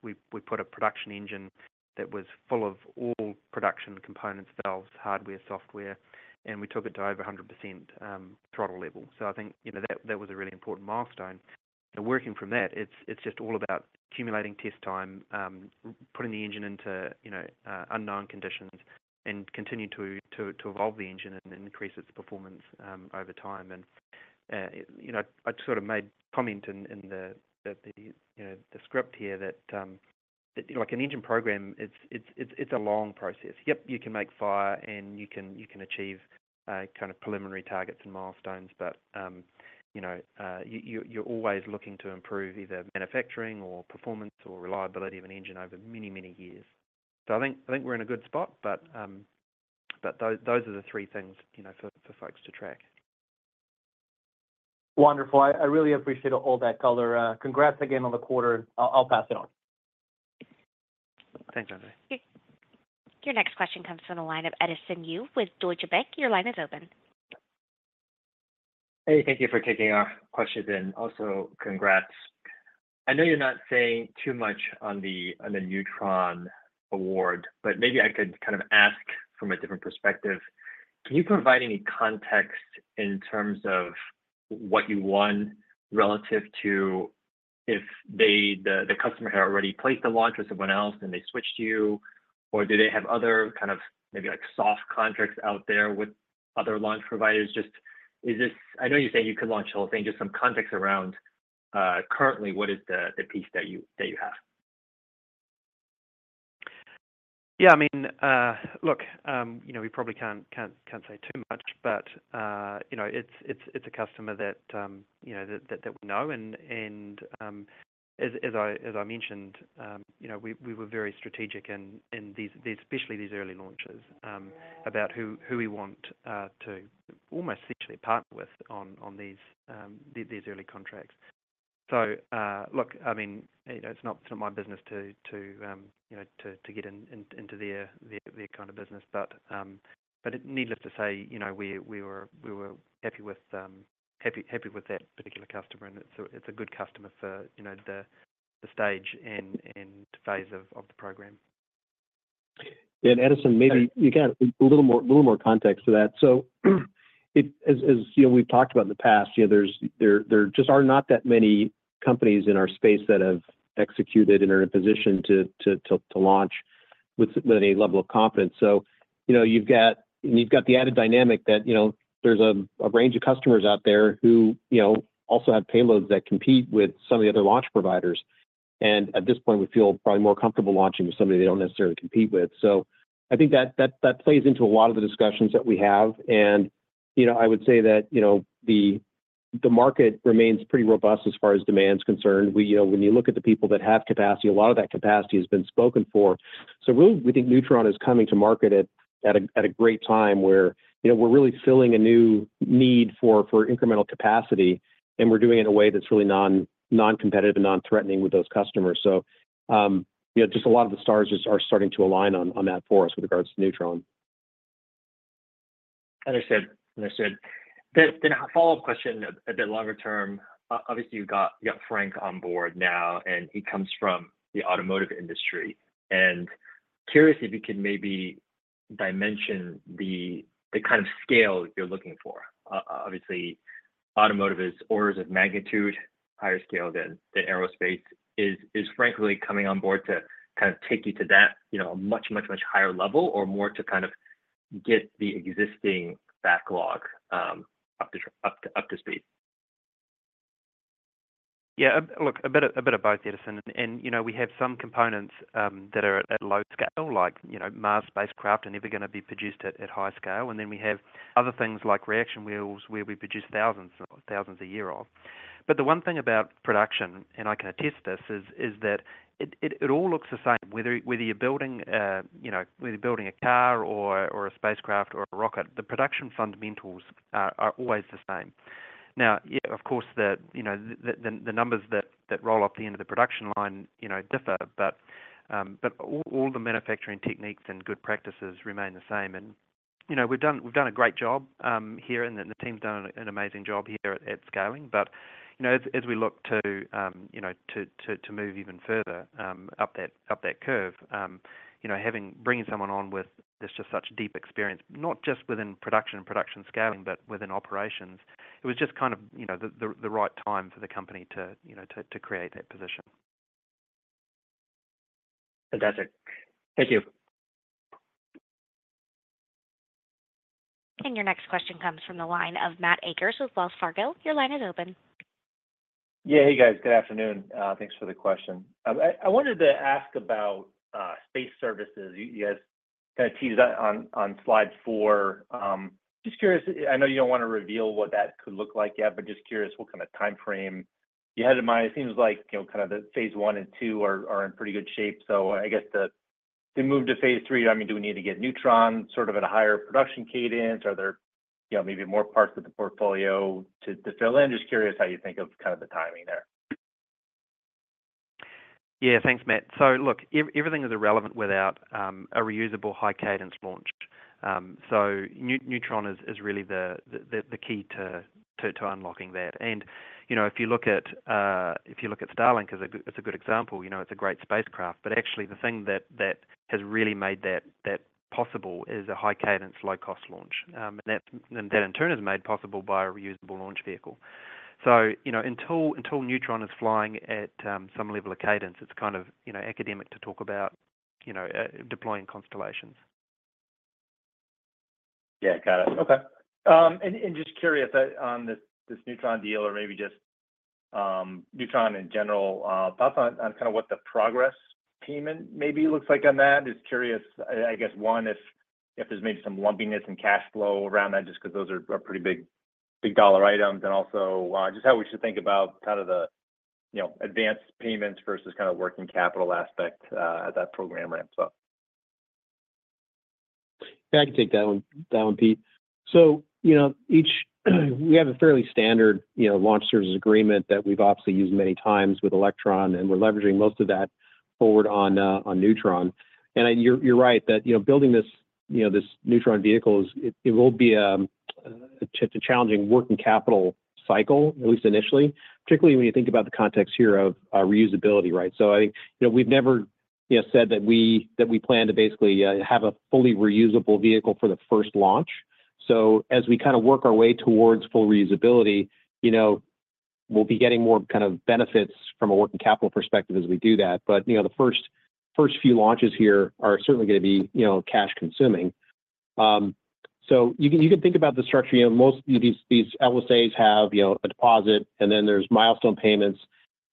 we put a production engine that was full of all production components, valves, hardware, software, and we took it to over 100% throttle level. I think that was a really important milestone. Working from that, it's just all about accumulating test time, putting the engine into unknown conditions, and continuing to evolve the engine and increase its performance over time. I sort of made a comment in the script here that an engine program, it's a long process. Yep, you can make fire, and you can achieve kind of preliminary targets and milestones, but you're always looking to improve either manufacturing or performance or reliability of an engine over many, many years. So I think we're in a good spot, but those are the three things for folks to track. Wonderful. I really appreciate all that color. Congrats again on the quarter. I'll pass it on. Thanks, Andre. Your next question comes from the line of Edison Yu with Deutsche Bank. Your line is open. Hey, thank you for taking our questions. And also, congrats. I know you're not saying too much on the Neutron award, but maybe I could kind of ask from a different perspective. Can you provide any context in terms of what you won relative to if the customer had already placed the launch with someone else and they switched to you, or do they have other kind of maybe soft contracts out there with other launch providers? I know you're saying you could launch the whole thing. Just some context around currently, what is the piece that you have? Yeah, I mean, look, we probably can't say too much, but it's a customer that we know, and as I mentioned, we were very strategic in especially these early launches about who we want to almost essentially partner with on these early contracts, so look, I mean, it's not my business to get into their kind of business, but needless to say, we were happy with that particular customer, and it's a good customer for the stage and phase of the program. And Edison, maybe you got a little more context to that. So as we've talked about in the past, there just are not that many companies in our space that have executed and are in a position to launch with any level of confidence. So you've got the added dynamic that there's a range of customers out there who also have payloads that compete with some of the other launch providers. And at this point, we feel probably more comfortable launching with somebody they don't necessarily compete with. So I think that plays into a lot of the discussions that we have. And I would say that the market remains pretty robust as far as demand's concerned. When you look at the people that have capacity, a lot of that capacity has been spoken for. So really, we think Neutron is coming to market at a great time where we're really filling a new need for incremental capacity, and we're doing it in a way that's really non-competitive and non-threatening with those customers. So just a lot of the stars are starting to align on that for us with regards to Neutron. Understood. Understood. Then a follow-up question a bit longer term. Obviously, you've got Frank on board now, and he comes from the automotive industry, and curious if you could maybe dimension the kind of scale you're looking for. Obviously, automotive is orders of magnitude higher scale than aerospace. Is Frank really coming on board to kind of take you to that much, much, much higher level or more to kind of get the existing backlog up to speed? Yeah, look, a bit of both, Edison. And we have some components that are at low scale, like mars spacecraft are never going to be produced at high scale. And then we have other things like reaction wheels where we produce thousands a year of. But the one thing about production, and I can attest this, is that it all looks the same. Whether you're building a car or a spacecraft or a rocket, the production fundamentals are always the same. Now, of course, the numbers that roll up the end of the production line differ, but all the manufacturing techniques and good practices remain the same. And we've done a great job here, and the team's done an amazing job here at scaling. As we look to move even further up that curve, bringing someone on with just such deep experience, not just within production and production scaling, but within operations, it was just kind of the right time for the company to create that position. Fantastic. Thank you. Your next question comes from the line of Matthew Akers with Wells Fargo. Your line is open. Yeah, hey guys. Good afternoon. Thanks for the question. I wanted to ask about space services. You guys kind of teased that on slide four. Just curious, I know you don't want to reveal what that could look like yet, but just curious what kind of timeframe you had in mind. It seems like kind of the phase I and II are in pretty good shape. So I guess to move to phase III, I mean, do we need to get Neutron sort of at a higher production cadence? Are there maybe more parts of the portfolio to fill in? Just curious how you think of kind of the timing there. Yeah, thanks, Matthew. So look, everything is irrelevant without a reusable high-cadence launch. So Neutron is really the key to unlocking that. And if you look at Starlink, it's a good example. It's a great spacecraft. But actually, the thing that has really made that possible is a high-cadence, low-cost launch. And that in turn is made possible by a reusable launch vehicle. So until Neutron is flying at some level of cadence, it's kind of academic to talk about deploying constellations. Yeah, got it. Okay. And just curious on this Neutron deal or maybe just Neutron in general, thoughts on kind of what the progress payment maybe looks like on that? Just curious, I guess, one, if there's maybe some lumpiness in cash flow around that, just because those are pretty big dollar items. And also just how we should think about kind of the advance payments versus kind of working capital aspect at that program ramp, so. Yeah, I can take that one, Pete. So we have a fairly standard Launch Services Agreement that we've obviously used many times with Electron, and we're leveraging most of that forward on Neutron. And you're right that building this Neutron vehicle, it will be a challenging working capital cycle, at least initially, particularly when you think about the context here of reusability, right? So I think we've never said that we plan to basically have a fully reusable vehicle for the first launch. So as we kind of work our way towards full reusability, we'll be getting more kind of benefits from a working capital perspective as we do that. But the first few launches here are certainly going to be cash-consuming. So you can think about the structure. Most of these LSAs have a deposit, and then there's milestone payments.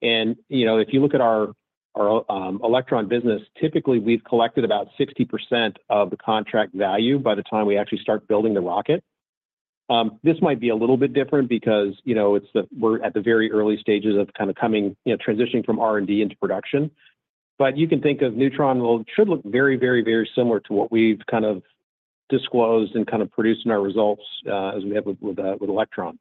And if you look at our Electron business, typically, we've collected about 60% of the contract value by the time we actually start building the rocket. This might be a little bit different because we're at the very early stages of kind of transitioning from R&D into production. But you can think of Neutron, it should look very, very, very similar to what we've kind of disclosed and kind of produced in our results as we have with Electron.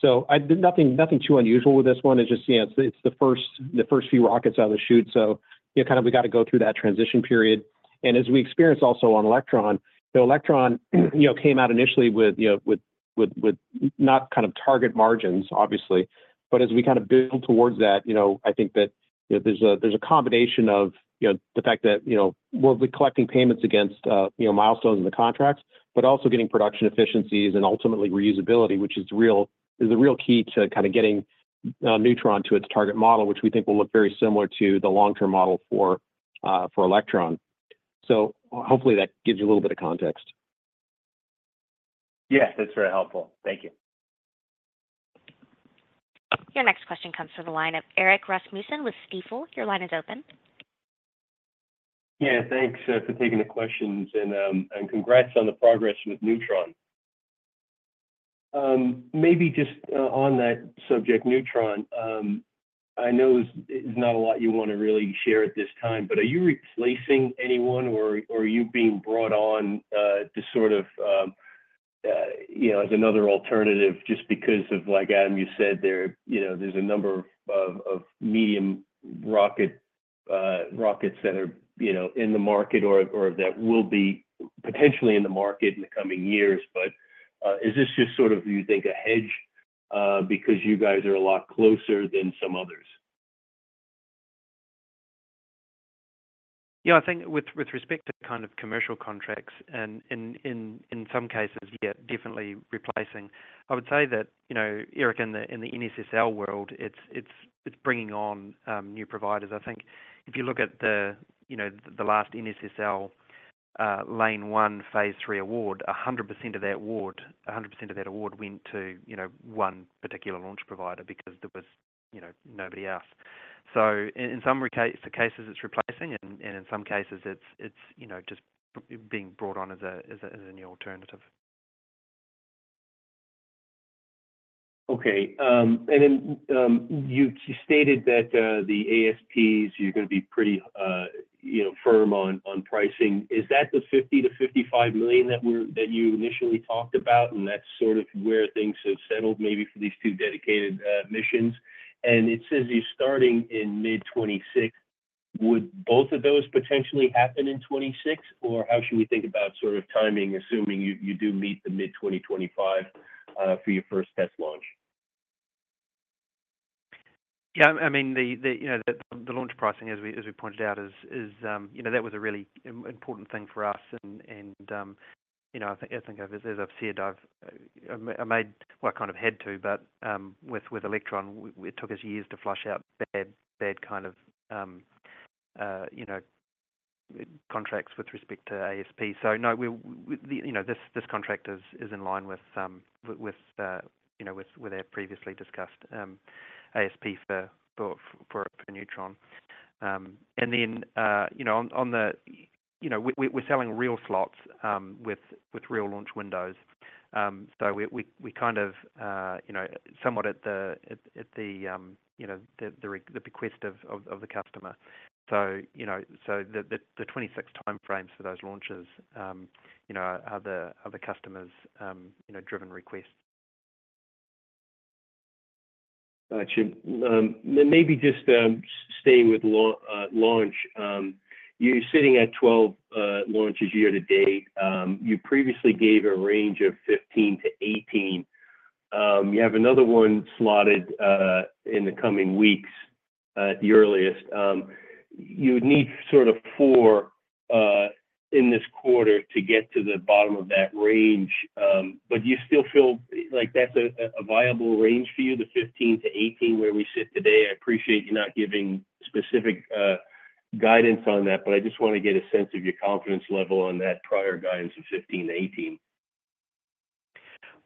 So nothing too unusual with this one. It's just the first few rockets out of the chute. So kind of we got to go through that transition period. And as we experienced also on Electron, Electron came out initially with not kind of target margins, obviously. But as we kind of build towards that, I think that there's a combination of the fact that we'll be collecting payments against milestones in the contracts, but also getting production efficiencies and ultimately reusability, which is the real key to kind of getting Neutron to its target model, which we think will look very similar to the long-term model for Electron. So hopefully, that gives you a little bit of context. Yeah, that's very helpful. Thank you. Your next question comes from the line of Erik Rasmussen with Stifel. Your line is open. Yeah, thanks for taking the questions and congrats on the progress with Neutron. Maybe just on that subject, Neutron, I know it's not a lot you want to really share at this time, but are you replacing anyone or are you being brought on to sort of as another alternative just because of, like Adam, you said, there's a number of medium rockets that are in the market or that will be potentially in the market in the coming years, but is this just sort of, you think, a hedge because you guys are a lot closer than some others? Yeah, I think with respect to kind of commercial contracts and in some cases, yeah, definitely replacing. I would say that, Eric, in the NSSL world, it's bringing on new providers. I think if you look at the last NSSL Lane One Phase III award, 100% of that award, 100% of that award went to one particular launch provider because there was nobody else. So in some cases, it's replacing, and in some cases, it's just being brought on as a new alternative. Okay. And then you stated that the ASPs, you're going to be pretty firm on pricing. Is that the $50-$55 million that you initially talked about? And that's sort of where things have settled maybe for these two dedicated missions. And it says you're starting in mid-2026. Would both of those potentially happen in 2026? Or how should we think about sort of timing, assuming you do meet the mid-2025 for your first test launch? Yeah, I mean, the launch pricing, as we pointed out, that was a really important thing for us. And I think, as I've said, I made what I kind of had to. But with Electron, it took us years to flush out bad kind of contracts with respect to ASP. So no, this contract is in line with our previously discussed ASP for Neutron. And then on the, we're selling real slots with real launch windows. So we kind of somewhat at the request of the customer. So the 26 timeframes for those launches are the customer-driven request. Gotcha. Maybe just staying with launch, you're sitting at 12 launches year to date. You previously gave a range of 15-18. You have another one slotted in the coming weeks at the earliest. You would need sort of four in this quarter to get to the bottom of that range. But do you still feel like that's a viable range for you, the 15-18 where we sit today? I appreciate you not giving specific guidance on that, but I just want to get a sense of your confidence level on that prior guidance of 15-18.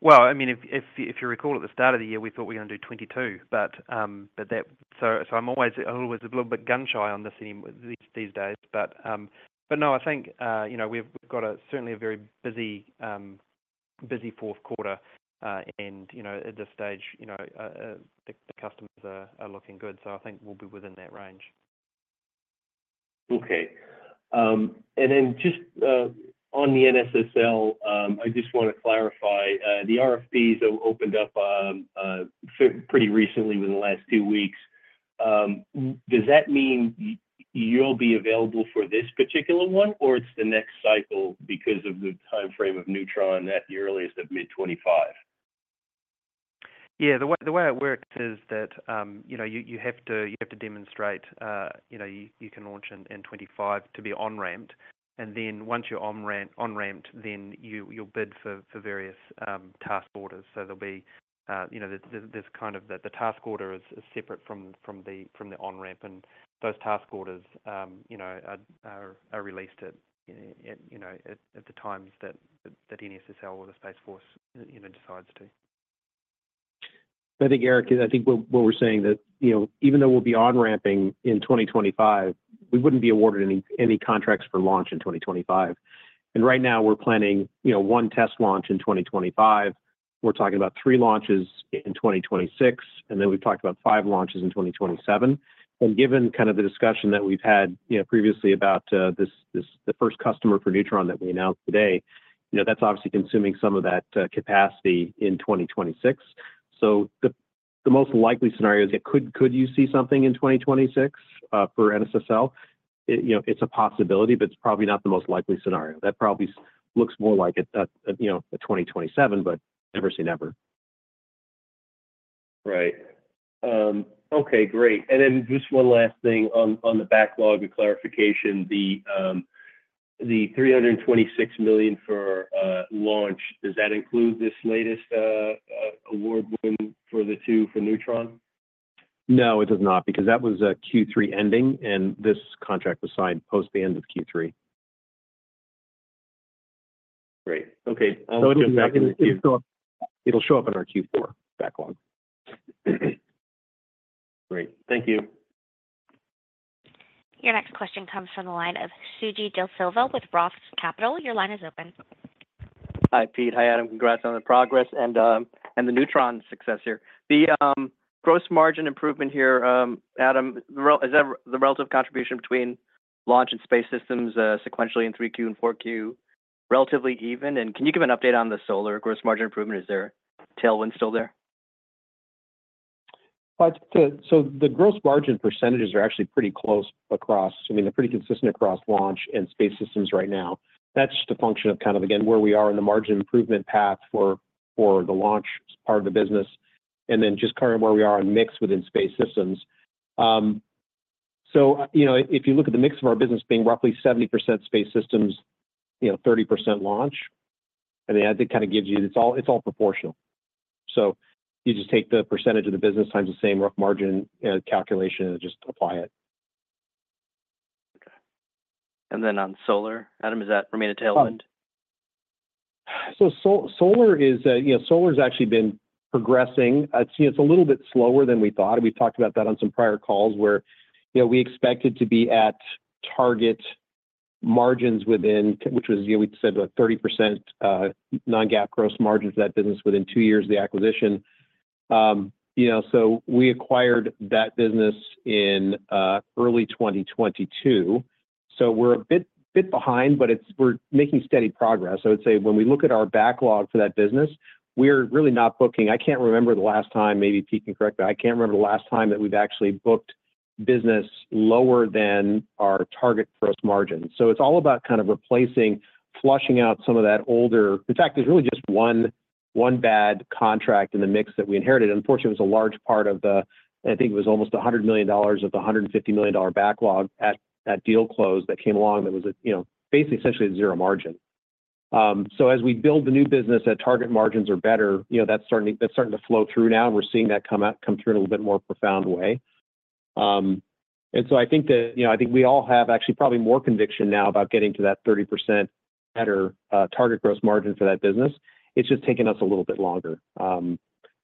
Well, I mean, if you recall, at the start of the year, we thought we were going to do 22. But so I'm always a little bit gun-shy on these days. But no, I think we've got certainly a very busy Q4. And at this stage, the customers are looking good. So I think we'll be within that range. Okay. And then just on the NSSL, I just want to clarify. The RFPs opened up pretty recently within the last two weeks. Does that mean you'll be available for this particular one, or it's the next cycle because of the timeframe of Neutron at the earliest of mid-2025? Yeah, the way it works is that you have to demonstrate you can launch in 2025 to be on-ramped. And then once you're on-ramped, then you'll bid for various task orders. So there'll be this kind of the task order is separate from the on-ramp. And those task orders are released at the times that NSSL or the Space Force decides to. I think, Erik, I think what we're saying that even though we'll be on-ramping in 2025, we wouldn't be awarded any contracts for launch in 2025. And right now, we're planning one test launch in 2025. We're talking about three launches in 2026. And then we've talked about five launches in 2027. And given kind of the discussion that we've had previously about the first customer for Neutron that we announced today, that's obviously consuming some of that capacity in 2026. So the most likely scenario is that could you see something in 2026 for NSSL? It's a possibility, but it's probably not the most likely scenario. That probably looks more like a 2027, but never say never. Right. Okay, great. And then just one last thing on the backlog of clarification. The $326 million for launch, does that include this latest award win for the two for Neutron? No, it does not because that was Q3 ending, and this contract was signed post the end of Q3. Great. Okay. So it'll show up in our Q4 backlog. Great. Thank you. Your next question comes from the line of Suji Desilva with Roth Capital. Your line is open. Hi, Pete. Hi, Adam. Congrats on the progress and the Neutron success here. The gross margin improvement here, Adam, is the relative contribution between launch and space systems sequentially in 3Q and 4Q relatively even? And can you give an update on the solar gross margin improvement? Is their tailwind still there? The gross margin percentages are actually pretty close across. I mean, they're pretty consistent across launch and space systems right now. That's just a function of kind of, again, where we are in the margin improvement path for the launch part of the business, and then just kind of where we are in mix within space systems. If you look at the mix of our business being roughly 70% space systems, 30% launch, I mean, I think kind of gives you it's all proportional. You just take the percentage of the business times the same rough margin calculation and just apply it. Okay, and then on solar, Adam, is that remaining tailwind? So solar has actually been progressing. It's a little bit slower than we thought. We've talked about that on some prior calls where we expected to be at target margins within, which was, we said, about 30% non-GAAP gross margin for that business within two years of the acquisition. So we acquired that business in early 2022. So we're a bit behind, but we're making steady progress. I would say when we look at our backlog for that business, we're really not booking. I can't remember the last time, maybe Pete can correct me. I can't remember the last time that we've actually booked business lower than our target gross margin. So it's all about kind of replacing, flushing out some of that older. In fact, there's really just one bad contract in the mix that we inherited. Unfortunately, it was a large part of the, I think it was almost $100 million of the $150 million backlog at deal close, that came along that was basically essentially a zero margin, so as we build the new business, our target margins are better. That's starting to flow through now. We're seeing that come through in a little bit more profound way, and so I think that I think we all have actually probably more conviction now about getting to that 30% better target gross margin for that business. It's just taken us a little bit longer,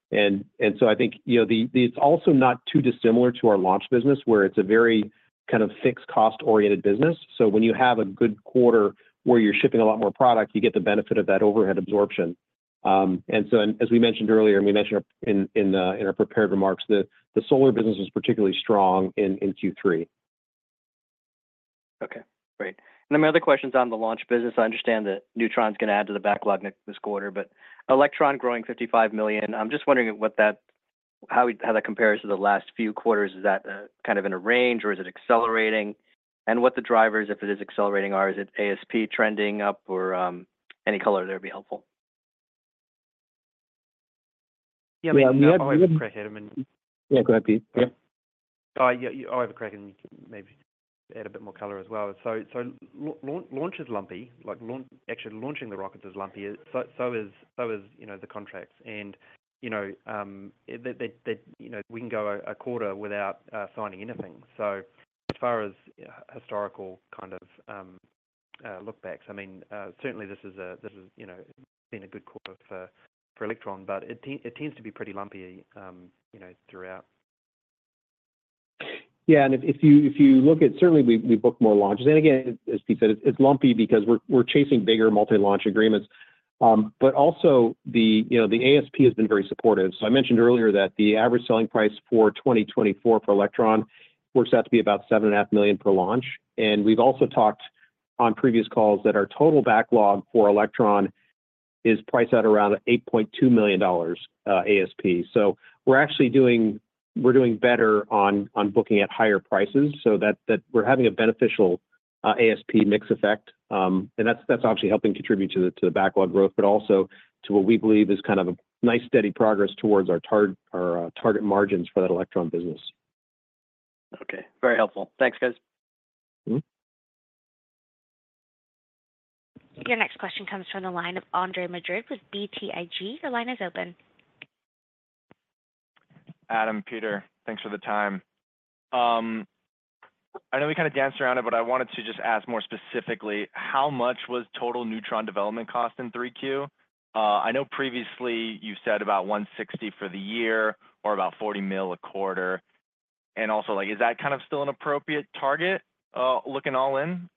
and so I think it's also not too dissimilar to our launch business, where it's a very kind of fixed cost-oriented business, so when you have a good quarter where you're shipping a lot more product, you get the benefit of that overhead absorption. And so, as we mentioned earlier, and we mentioned in our prepared remarks, the solar business was particularly strong in Q3. Okay. Great. And then my other question is on the launch business. I understand that Neutron is going to add to the backlog this quarter, but Electron growing $55 million. I'm just wondering how that compares to the last few quarters. Is that kind of in a range, or is it accelerating? And what the drivers, if it is accelerating, are? Is it ASP trending up or any color there would be helpful? Yeah, we have a bit more color. Yeah, go ahead, Pete. Yeah. I'll take a crack and maybe add a bit more color as well. So launch is lumpy. Actually, launching the rockets is lumpy. So is the contracts. And we can go a quarter without signing anything. So as far as historical kind of look-backs, I mean, certainly this has been a good quarter for Electron, but it tends to be pretty lumpy throughout. Yeah. And if you look at certainly, we book more launches. And again, as Pete said, it's lumpy because we're chasing bigger multi-launch agreements. But also, the ASP has been very supportive. So I mentioned earlier that the average selling price for 2024 for Electron works out to be about $7.5 million per launch. And we've also talked on previous calls that our total backlog for Electron is priced at around $8.2 million ASP. So we're actually doing better on booking at higher prices. So we're having a beneficial ASP mix effect. And that's obviously helping contribute to the backlog growth, but also to what we believe is kind of a nice steady progress towards our target margins for that Electron business. Okay. Very helpful. Thanks, guys. Your next question comes from the line of Andres Madrid with BTIG. Your line is open. Adam, Peter, thanks for the time. I know we kind of danced around it, but I wanted to just ask more specifically, how much was total Neutron development cost in 3Q? I know previously you said about $160 million for the year or about $40 million a quarter. And also, is that kind of still an appropriate target looking all in?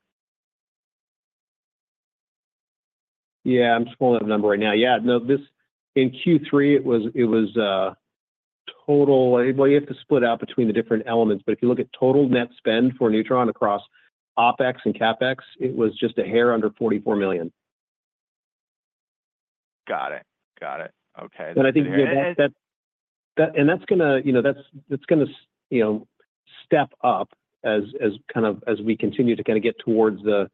Yeah. I'm scrolling up the number right now. Yeah. No, in Q3, it was total. Well, you have to split out between the different elements. But if you look at total net spend for Neutron across OpEx and CapEx, it was just a hair under $44 million. Got it. Got it. Okay. I think that's going to step up as kind of as we continue to kind of get towards the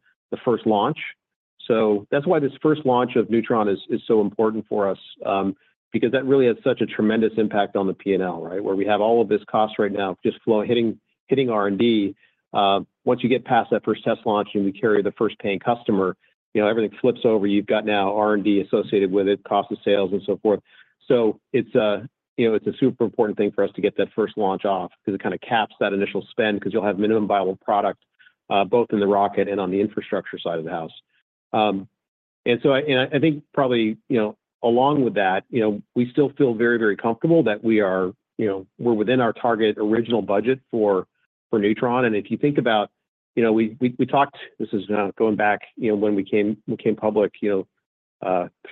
first launch. That's why this first launch of Neutron is so important for us because that really has such a tremendous impact on the P&L, right, where we have all of this cost right now just hitting R&D. Once you get past that first test launch and you carry the first paying customer, everything flips over. You've got now R&D associated with it, cost of sales, and so forth. It's a super important thing for us to get that first launch off because it kind of caps that initial spend because you'll have minimum viable product both in the rocket and on the infrastructure side of the house. I think probably along with that, we still feel very, very comfortable that we're within our target original budget for Neutron. If you think about we talked this is going back when we came public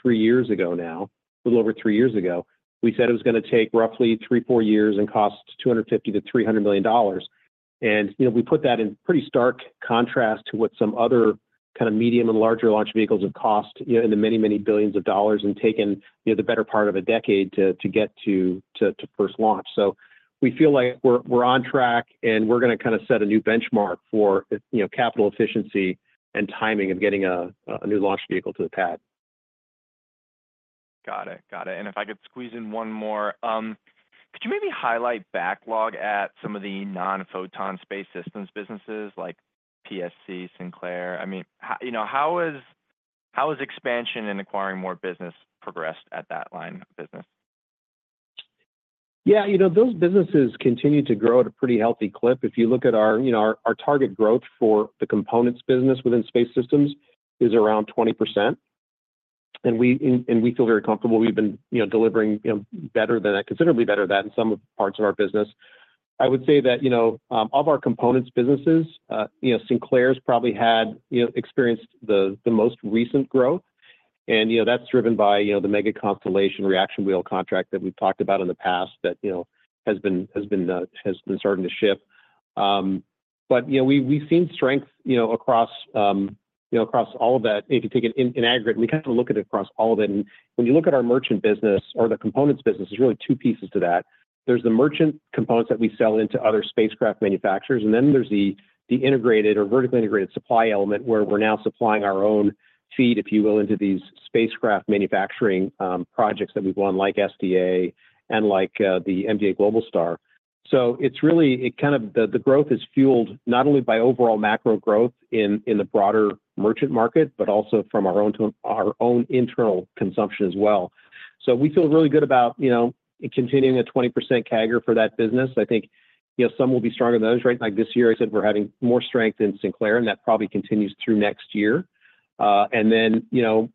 three years ago now, a little over three years ago. We said it was going to take roughly three, four years and cost $250-$300 million. We put that in pretty stark contrast to what some other kind of medium and larger launch vehicles have cost in the many, many billions of dollars and taken the better part of a decade to get to first launch. We feel like we're on track, and we're going to kind of set a new benchmark for capital efficiency and timing of getting a new launch vehicle to the pad. Got it. Got it. And if I could squeeze in one more, could you maybe highlight backlog at some of the non-Photon space systems businesses like PSC, Sinclair? I mean, how has expansion and acquiring more business progressed at that line of business? Yeah. Those businesses continue to grow at a pretty healthy clip. If you look at our target growth for the components business within space systems is around 20%. And we feel very comfortable. We've been delivering considerably better than that in some parts of our business. I would say that of our components businesses, Sinclair's probably experienced the most recent growth. And that's driven by the mega constellation reaction wheel contract that we've talked about in the past that has been starting to shift. But we've seen strength across all of that. If you take it in aggregate, we kind of look at it across all of it. And when you look at our merchant business or the components business, there's really two pieces to that. There's the merchant components that we sell into other spacecraft manufacturers. Then there's the integrated or vertically integrated supply element where we're now supplying our own feed, if you will, into these spacecraft manufacturing projects that we've won like SDA and like the MDA Globalstar. So it's really kind of the growth is fueled not only by overall macro growth in the broader merchant market, but also from our own internal consumption as well. So we feel really good about continuing a 20% CAGR for that business. I think some will be stronger than others. Right? Like this year, I said we're having more strength in Sinclair, and that probably continues through next year. And then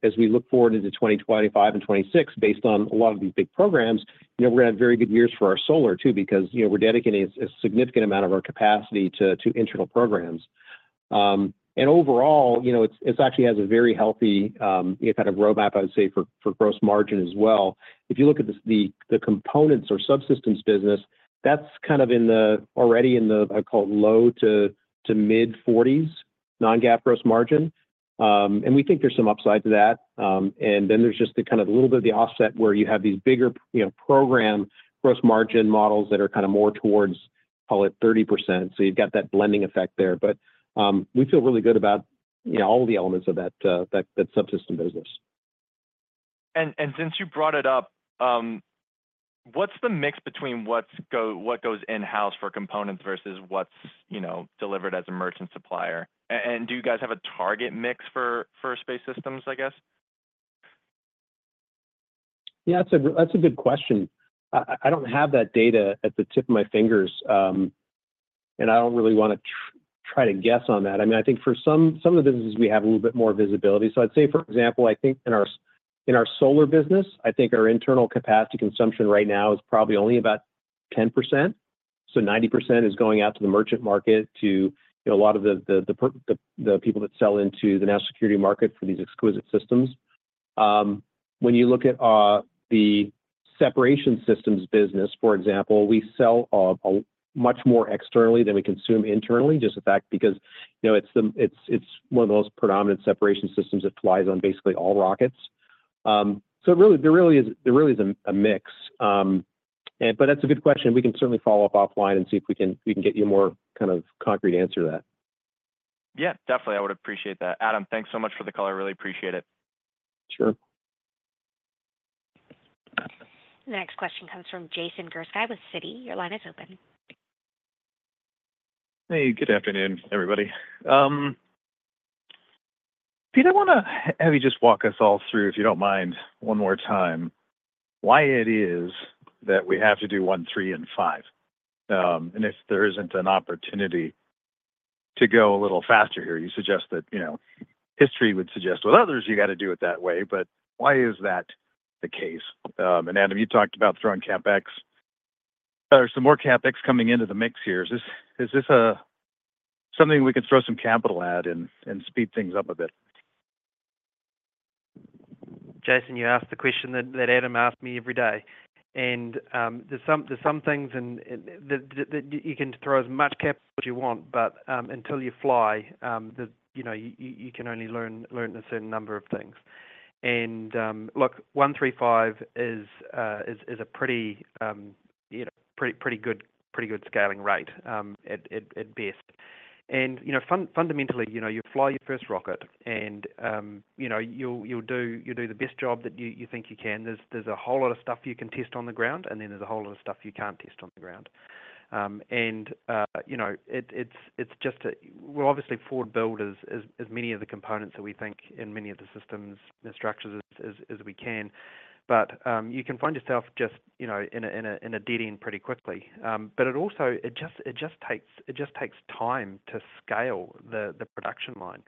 as we look forward into 2025 and 2026, based on a lot of these big programs, we're going to have very good years for our solar too because we're dedicating a significant amount of our capacity to internal programs. Overall, it actually has a very healthy kind of roadmap, I would say, for gross margin as well. If you look at the components or subsystems business, that's kind of already in the, I call it, low-to-mid-40s non-GAAP gross margin. And we think there's some upside to that. And then there's just kind of a little bit of the offset where you have these bigger program gross margin models that are kind of more towards, call it, 30%. So you've got that blending effect there. But we feel really good about all the elements of that subsystem business. And since you brought it up, what's the mix between what goes in-house for components versus what's delivered as a merchant supplier? And do you guys have a target mix for space systems, I guess? Yeah, that's a good question. I don't have that data at the tip of my fingers, and I don't really want to try to guess on that. I mean, I think for some of the businesses, we have a little bit more visibility. So I'd say, for example, I think in our solar business, I think our internal capacity consumption right now is probably only about 10%. So 90% is going out to the merchant market to a lot of the people that sell into the national security market for these exquisite systems. When you look at the separation systems business, for example, we sell much more externally than we consume internally, just the fact because it's one of the most predominant separation systems that flies on basically all rockets. So there really is a mix. But that's a good question. We can certainly follow up offline and see if we can get you a more kind of concrete answer to that. Yeah, definitely. I would appreciate that. Adam, thanks so much for the call. I really appreciate it. Sure. Next question comes from Jason Gursky with Citi. Your line is open. Hey, good afternoon, everybody. Pete, I want to have you just walk us all through, if you don't mind, one more time, why it is that we have to do one, three, and five. And if there isn't an opportunity to go a little faster here, you suggest that history would suggest with others, you got to do it that way. But why is that the case? And Adam, you talked about throwing CapEx. Are there some more CapEx coming into the mix here? Is this something we can throw some capital at and speed things up a bit? Jason, you asked the question that Adam asked me every day, and there's some things that you can throw as much capital as you want, but until you fly, you can only learn a certain number of things. And look, one, three, five is a pretty good scaling rate at best. And fundamentally, you fly your first rocket, and you'll do the best job that you think you can. There's a whole lot of stuff you can test on the ground, and then there's a whole lot of stuff you can't test on the ground. And it's just, we'll obviously forward-build as many of the components that we think in many of the systems and structures as we can. But you can find yourself just in a dead end pretty quickly. But it just takes time to scale the production line.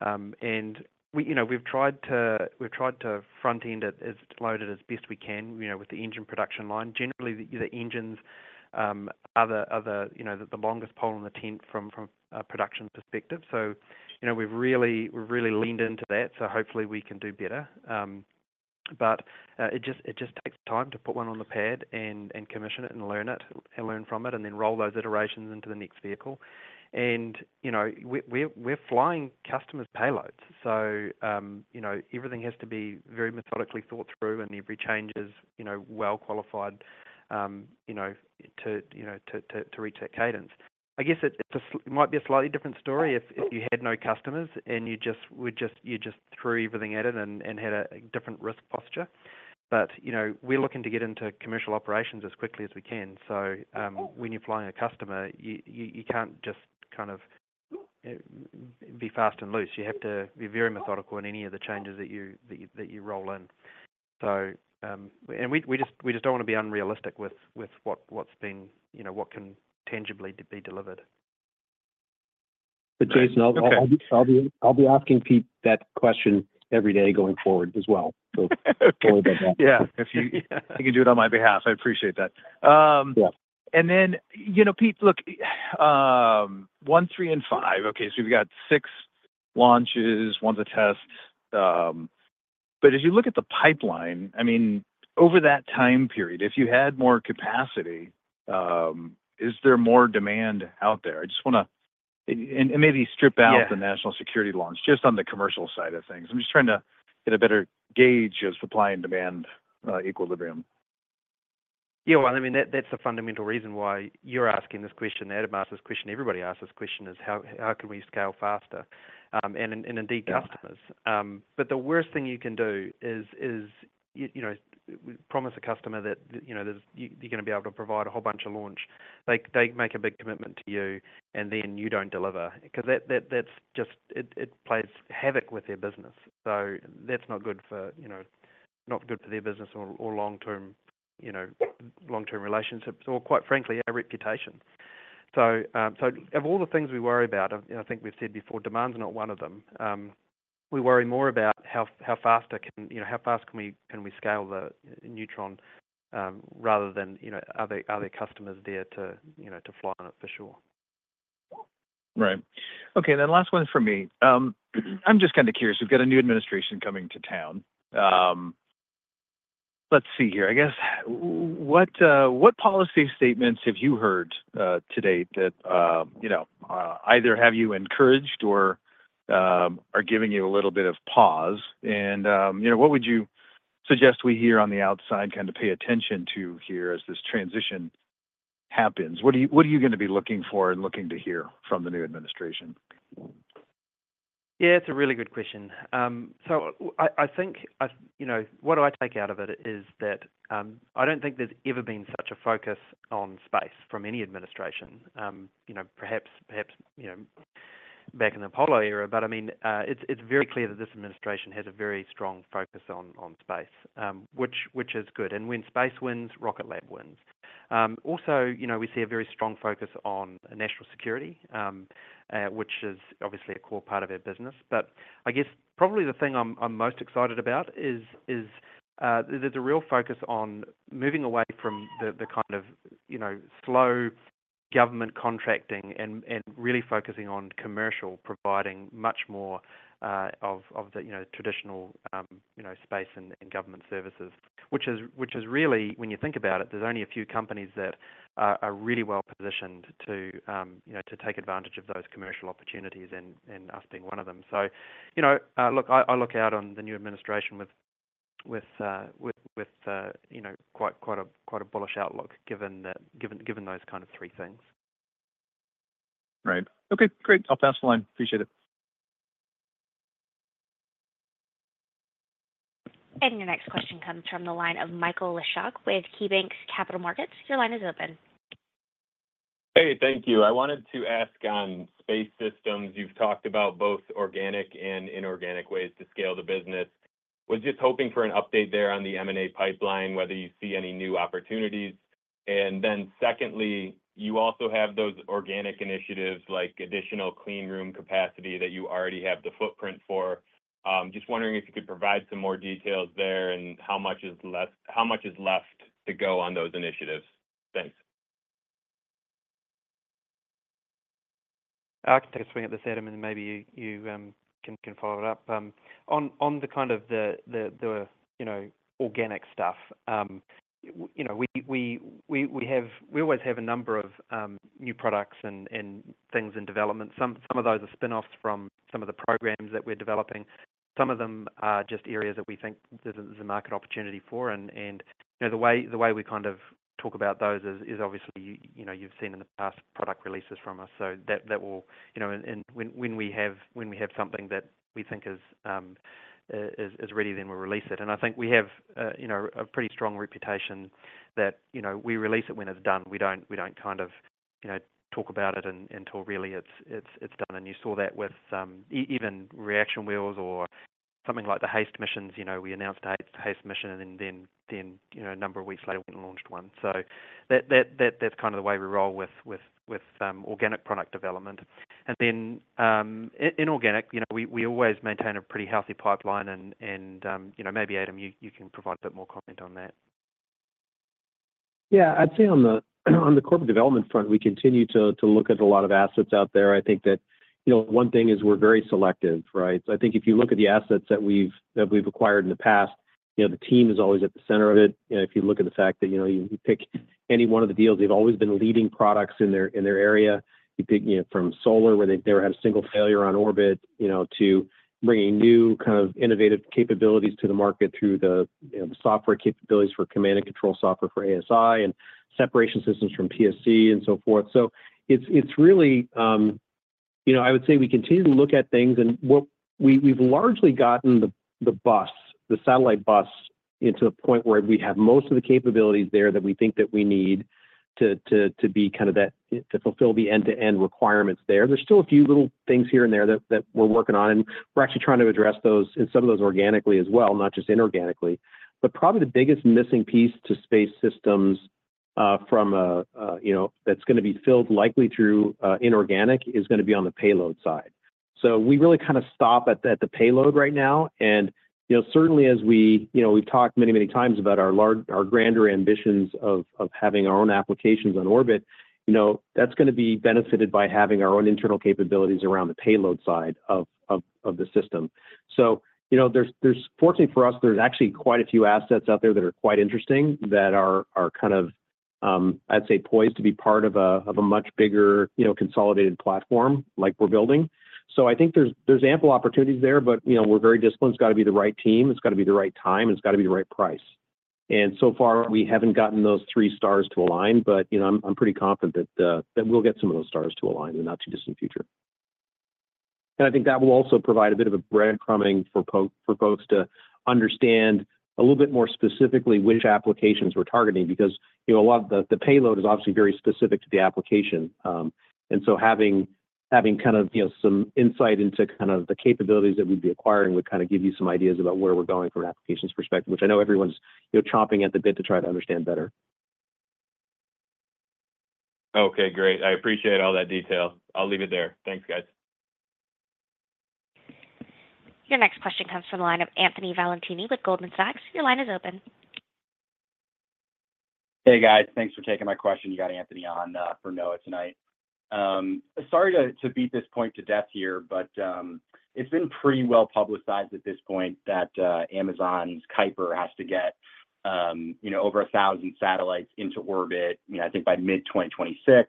And we've tried to front-end it as loaded as best we can with the engine production line. Generally, the engines are the longest pole in the tent from a production perspective. So we've really leaned into that. So hopefully, we can do better. But it just takes time to put one on the pad and commission it and learn from it and then roll those iterations into the next vehicle. And we're flying customers' payloads. So everything has to be very methodically thought through, and every change is well-qualified to reach that cadence. I guess it might be a slightly different story if you had no customers and you just threw everything at it and had a different risk posture. But we're looking to get into commercial operations as quickly as we can. So when you're flying a customer, you can't just kind of be fast and loose. You have to be very methodical in any of the changes that you roll in, and we just don't want to be unrealistic with what's been, what can tangibly be delivered. But Jason, I'll be asking Pete that question every day going forward as well. So sorry about that. Yeah. If you can do it on my behalf, I appreciate that. And then, Pete, look, one, three, and five. Okay. So we've got six launches, one's a test. But as you look at the pipeline, I mean, over that time period, if you had more capacity, is there more demand out there? I just want to maybe strip out the national security launch just on the commercial side of things. I'm just trying to get a better gauge of supply and demand equilibrium. Yeah. Well, I mean, that's the fundamental reason why you're asking this question, Adam asked this question, everybody asked this question is, how can we scale faster? And indeed, customers. But the worst thing you can do is promise a customer that you're going to be able to provide a whole bunch of launch. They make a big commitment to you, and then you don't deliver because it plays havoc with their business. So that's not good for their business or long-term relationships or, quite frankly, our reputation. So of all the things we worry about, I think we've said before, demand's not one of them. We worry more about how fast can we scale the Neutron rather than are there customers there to fly on it for sure. Right. Okay. And then last one for me. I'm just kind of curious. We've got a new administration coming to town. Let's see here. I guess, what policy statements have you heard to date that either have you encouraged or are giving you a little bit of pause? And what would you suggest we here on the outside kind of pay attention to here as this transition happens? What are you going to be looking for and looking to hear from the new administration? Yeah, it's a really good question. So I think what I take out of it is that I don't think there's ever been such a focus on space from any administration, perhaps back in the Apollo era. But I mean, it's very clear that this administration has a very strong focus on space, which is good. And when space wins, Rocket Lab wins. Also, we see a very strong focus on national security, which is obviously a core part of our business. But I guess probably the thing I'm most excited about is there's a real focus on moving away from the kind of slow government contracting and really focusing on commercial, providing much more of the traditional space and government services, which is really, when you think about it, there's only a few companies that are really well positioned to take advantage of those commercial opportunities and us being one of them. So look, I look out on the new administration with quite a bullish outlook given those kind of three things. Right. Okay. Great. I'll pass the line. Appreciate it. Your next question comes from the line of Michael Leshock with KeyBank Capital Markets. Your line is open. Hey, thank you. I wanted to ask on space systems. You've talked about both organic and inorganic ways to scale the business. Was just hoping for an update there on the M&A pipeline, whether you see any new opportunities. And then secondly, you also have those organic initiatives like additional clean room capacity that you already have the footprint for. Just wondering if you could provide some more details there and how much is left to go on those initiatives. Thanks. I can take a swing at this, Adam, and maybe you can follow it up. On the kind of the organic stuff, we always have a number of new products and things in development. Some of those are spinoffs from some of the programs that we're developing. Some of them are just areas that we think there's a market opportunity for. And the way we kind of talk about those is obviously you've seen in the past product releases from us. So that will, when we have something that we think is ready, then we release it. And I think we have a pretty strong reputation that we release it when it's done. We don't kind of talk about it until really it's done. And you saw that with even reaction wheels or something like the HASTE missions. We announced the HASTE mission, and then a number of weeks later, we launched one. So that's kind of the way we roll with organic product development. And then inorganic, we always maintain a pretty healthy pipeline. And maybe, Adam, you can provide a bit more comment on that. Yeah. I'd say on the corporate development front, we continue to look at a lot of assets out there. I think that one thing is we're very selective, right? So I think if you look at the assets that we've acquired in the past, the team is always at the center of it. If you look at the fact that you pick any one of the deals, they've always been leading products in their area. You pick from Sinclair where they've never had a single failure on orbit to bringing new kind of innovative capabilities to the market through the software capabilities for command and control software for ASI and separation systems from PSC and so forth. It's really, I would say, we continue to look at things, and we've largely gotten the bus, the satellite bus, into the point where we have most of the capabilities there that we think that we need to be kind of that to fulfill the end-to-end requirements there. There's still a few little things here and there that we're working on, and we're actually trying to address those in some of those organically as well, not just inorganically. But probably the biggest missing piece to Space Systems from a, that's going to be filled likely through inorganic, is going to be on the payload side. So we really kind of stop at the payload right now. Certainly, as we've talked many, many times about our grander ambitions of having our own applications on orbit, that's going to be benefited by having our own internal capabilities around the payload side of the system. So fortunately for us, there's actually quite a few assets out there that are quite interesting that are kind of, I'd say, poised to be part of a much bigger consolidated platform like we're building. So I think there's ample opportunities there, but we're very disciplined. It's got to be the right team. It's got to be the right time. It's got to be the right price. And so far, we haven't gotten those three stars to align, but I'm pretty confident that we'll get some of those stars to align in the not too distant future. And I think that will also provide a bit of a breadcrumbing for folks to understand a little bit more specifically which applications we're targeting because a lot of the payload is obviously very specific to the application. And so having kind of some insight into kind of the capabilities that we'd be acquiring would kind of give you some ideas about where we're going from an application's perspective, which I know everyone's chomping at the bit to try to understand better. Okay. Great. I appreciate all that detail. I'll leave it there. Thanks, guys. Your next question comes from the line of Anthony Valentini with Goldman Sachs. Your line is open. Hey, guys. Thanks for taking my question. You got Anthony on for Noah tonight. Sorry to beat this point to death here, but it's been pretty well publicized at this point that Amazon's Kuiper has to get over 1,000 satellites into orbit, I think by mid-2026.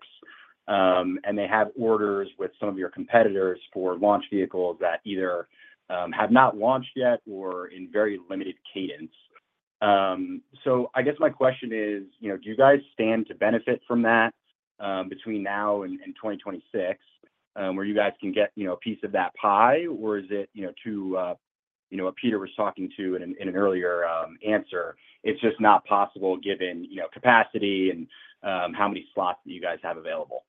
And they have orders with some of your competitors for launch vehicles that either have not launched yet or in very limited cadence. So I guess my question is, do you guys stand to benefit from that between now and 2026 where you guys can get a piece of that pie, or is it, too, as Peter was talking about in an earlier answer, it's just not possible given capacity and how many slots that you guys have available?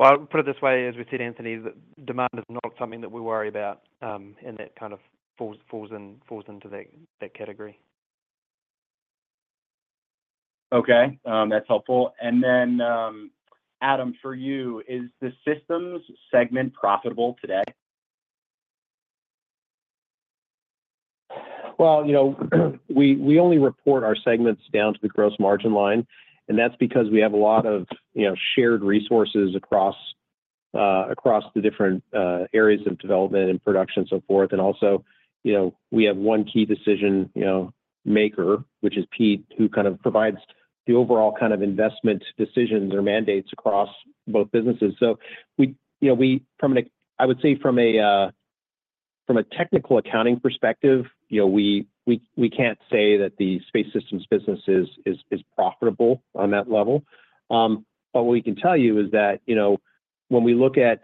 I'll put it this way. As we said, Anthony, demand is not something that we worry about, and that kind of falls into that category. Okay. That's helpful. And then, Adam, for you, is the systems segment profitable today? We only report our segments down to the gross margin line, and that's because we have a lot of shared resources across the different areas of development and production and so forth, and also, we have one key decision maker, which is Pete, who kind of provides the overall kind of investment decisions or mandates across both businesses, so from an, I would say, from a technical accounting perspective, we can't say that the space systems business is profitable on that level, but what we can tell you is that when we look at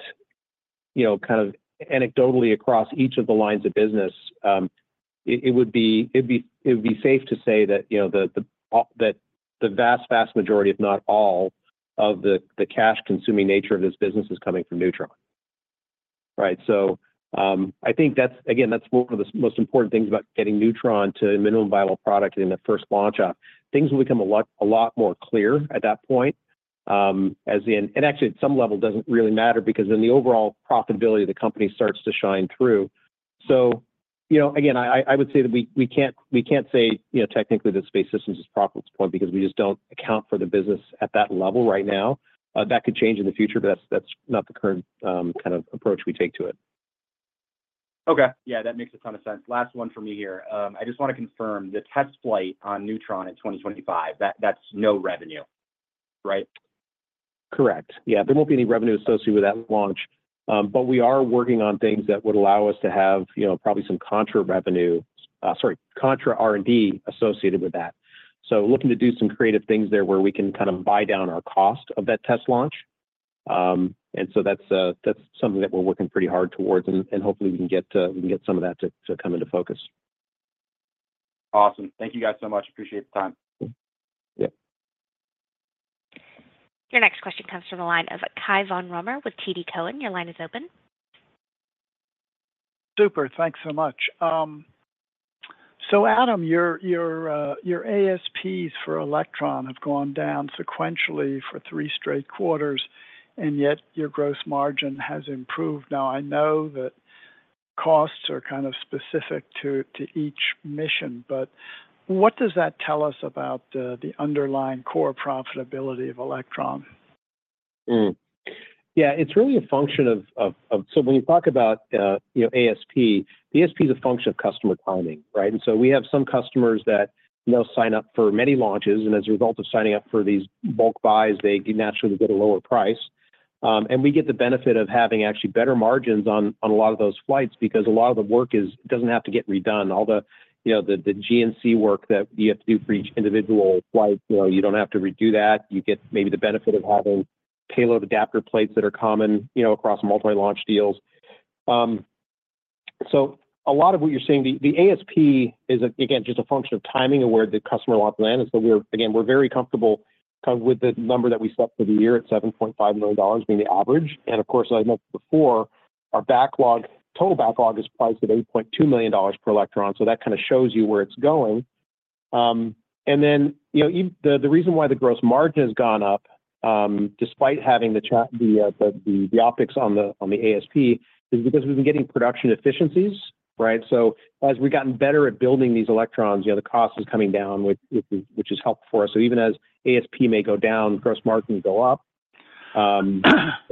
kind of anecdotally across each of the lines of business, it would be safe to say that the vast, vast majority, if not all, of the cash-consuming nature of this business is coming from Neutron, right? I think, again, that's one of the most important things about getting Neutron to minimum viable product in the first launch off. Things will become a lot more clear at that point. Actually, at some level, it doesn't really matter because then the overall profitability of the company starts to shine through. Again, I would say that we can't say technically that Space Systems is profitable at this point because we just don't account for the business at that level right now. That could change in the future, but that's not the current kind of approach we take to it. Okay. Yeah. That makes a ton of sense. Last one for me here. I just want to confirm the test flight on Neutron in 2025, that's no revenue, right? Correct. Yeah. There won't be any revenue associated with that launch. But we are working on things that would allow us to have probably some contra revenue, sorry, contra R&D associated with that. So looking to do some creative things there where we can kind of buy down our cost of that test launch. And so that's something that we're working pretty hard towards, and hopefully, we can get some of that to come into focus. Awesome. Thank you guys so much. Appreciate the time. Yep. Your next question comes from the line of Cai von Rumohr with TD Cowen. Your line is open. Super. Thanks so much. So Adam, your ASPs for Electron have gone down sequentially for three straight quarters, and yet your gross margin has improved. Now, I know that costs are kind of specific to each mission, but what does that tell us about the underlying core profitability of Electron? Yeah. It's really a function of so when you talk about ASP, the ASP is a function of customer timing, right? And so we have some customers that sign up for many launches, and as a result of signing up for these bulk buys, they naturally get a lower price. And we get the benefit of having actually better margins on a lot of those flights because a lot of the work doesn't have to get redone. All the GNC work that you have to do for each individual flight, you don't have to redo that. You get maybe the benefit of having payload adapter plates that are common across multi-launch deals. So a lot of what you're seeing, the ASP is, again, just a function of timing of where the customer wants land. And so again, we're very comfortable with the number that we set for the year at $7.5 million, being the average. And of course, like I mentioned before, our total backlog is priced at $8.2 million per Electron. So that kind of shows you where it's going. And then the reason why the gross margin has gone up, despite having the optics on the ASP, is because we've been getting production efficiencies, right? So as we've gotten better at building these Electrons, the cost is coming down, which is helpful for us. So even as ASP may go down, gross margin go up. I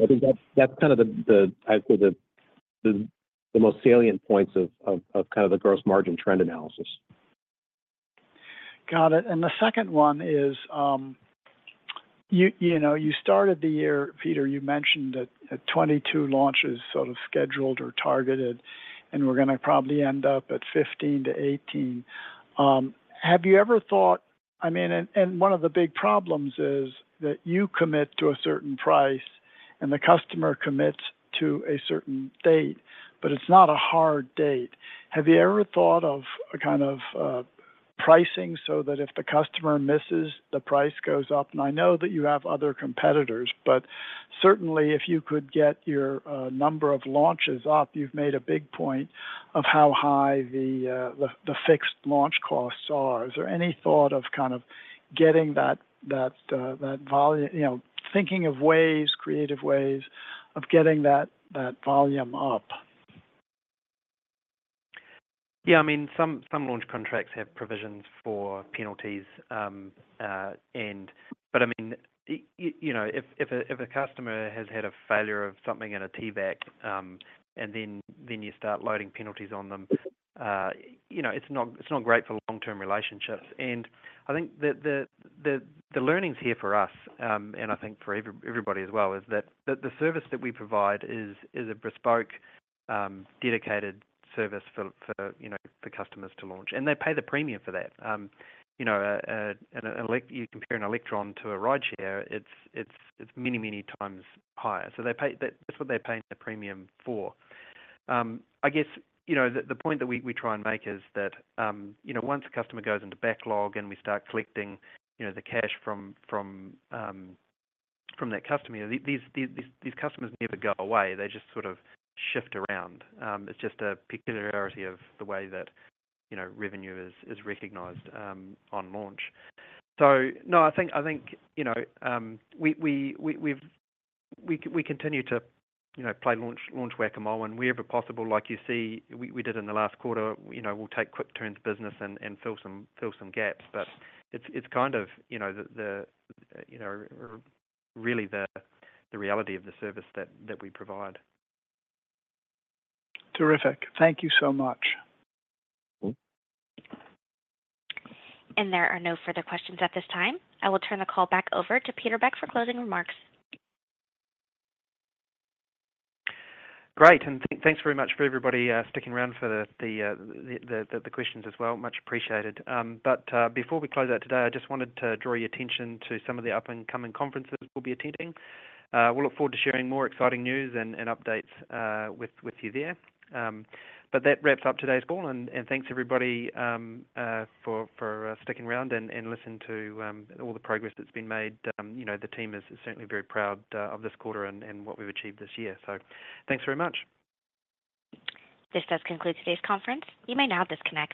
think that's kind of the, I'd say, the most salient points of kind of the gross margin trend analysis. Got it. And the second one is you started the year, Peter, you mentioned that 22 launches sort of scheduled or targeted, and we're going to probably end up at 15-18. Have you ever thought, I mean, and one of the big problems is that you commit to a certain price and the customer commits to a certain date, but it's not a hard date. Have you ever thought of kind of pricing so that if the customer misses, the price goes up? And I know that you have other competitors, but certainly, if you could get your number of launches up, you've made a big point of how high the fixed launch costs are. Is there any thought of kind of getting that volume, thinking of ways, creative ways of getting that volume up? Yeah. I mean, some launch contracts have provisions for penalties. But I mean, if a customer has had a failure of something in a TVAC and then you start loading penalties on them, it's not great for long-term relationships. And I think that the learnings here for us, and I think for everybody as well, is that the service that we provide is a bespoke, dedicated service for customers to launch. And they pay the premium for that. And if you compare an Electron to a rideshare, it's many, many times higher. So that's what they're paying the premium for. I guess the point that we try and make is that once a customer goes into backlog and we start collecting the cash from that customer, these customers never go away. They just sort of shift around. It's just a peculiarity of the way that revenue is recognized on launch. No, I think we continue to play launch whack-a-mole whenever possible. Like you see, we did in the last quarter. We'll take quick turns of business and fill some gaps. But it's kind of really the reality of the service that we provide. Terrific. Thank you so much. There are no further questions at this time. I will turn the call back over to Peter Beck for closing remarks. Great. And thanks very much for everybody sticking around for the questions as well. Much appreciated. But before we close out today, I just wanted to draw your attention to some of the up-and-coming conferences we'll be attending. We'll look forward to sharing more exciting news and updates with you there. But that wraps up today's call. And thanks, everybody, for sticking around and listening to all the progress that's been made. The team is certainly very proud of this quarter and what we've achieved this year. So thanks very much. This does conclude today's conference. You may now disconnect.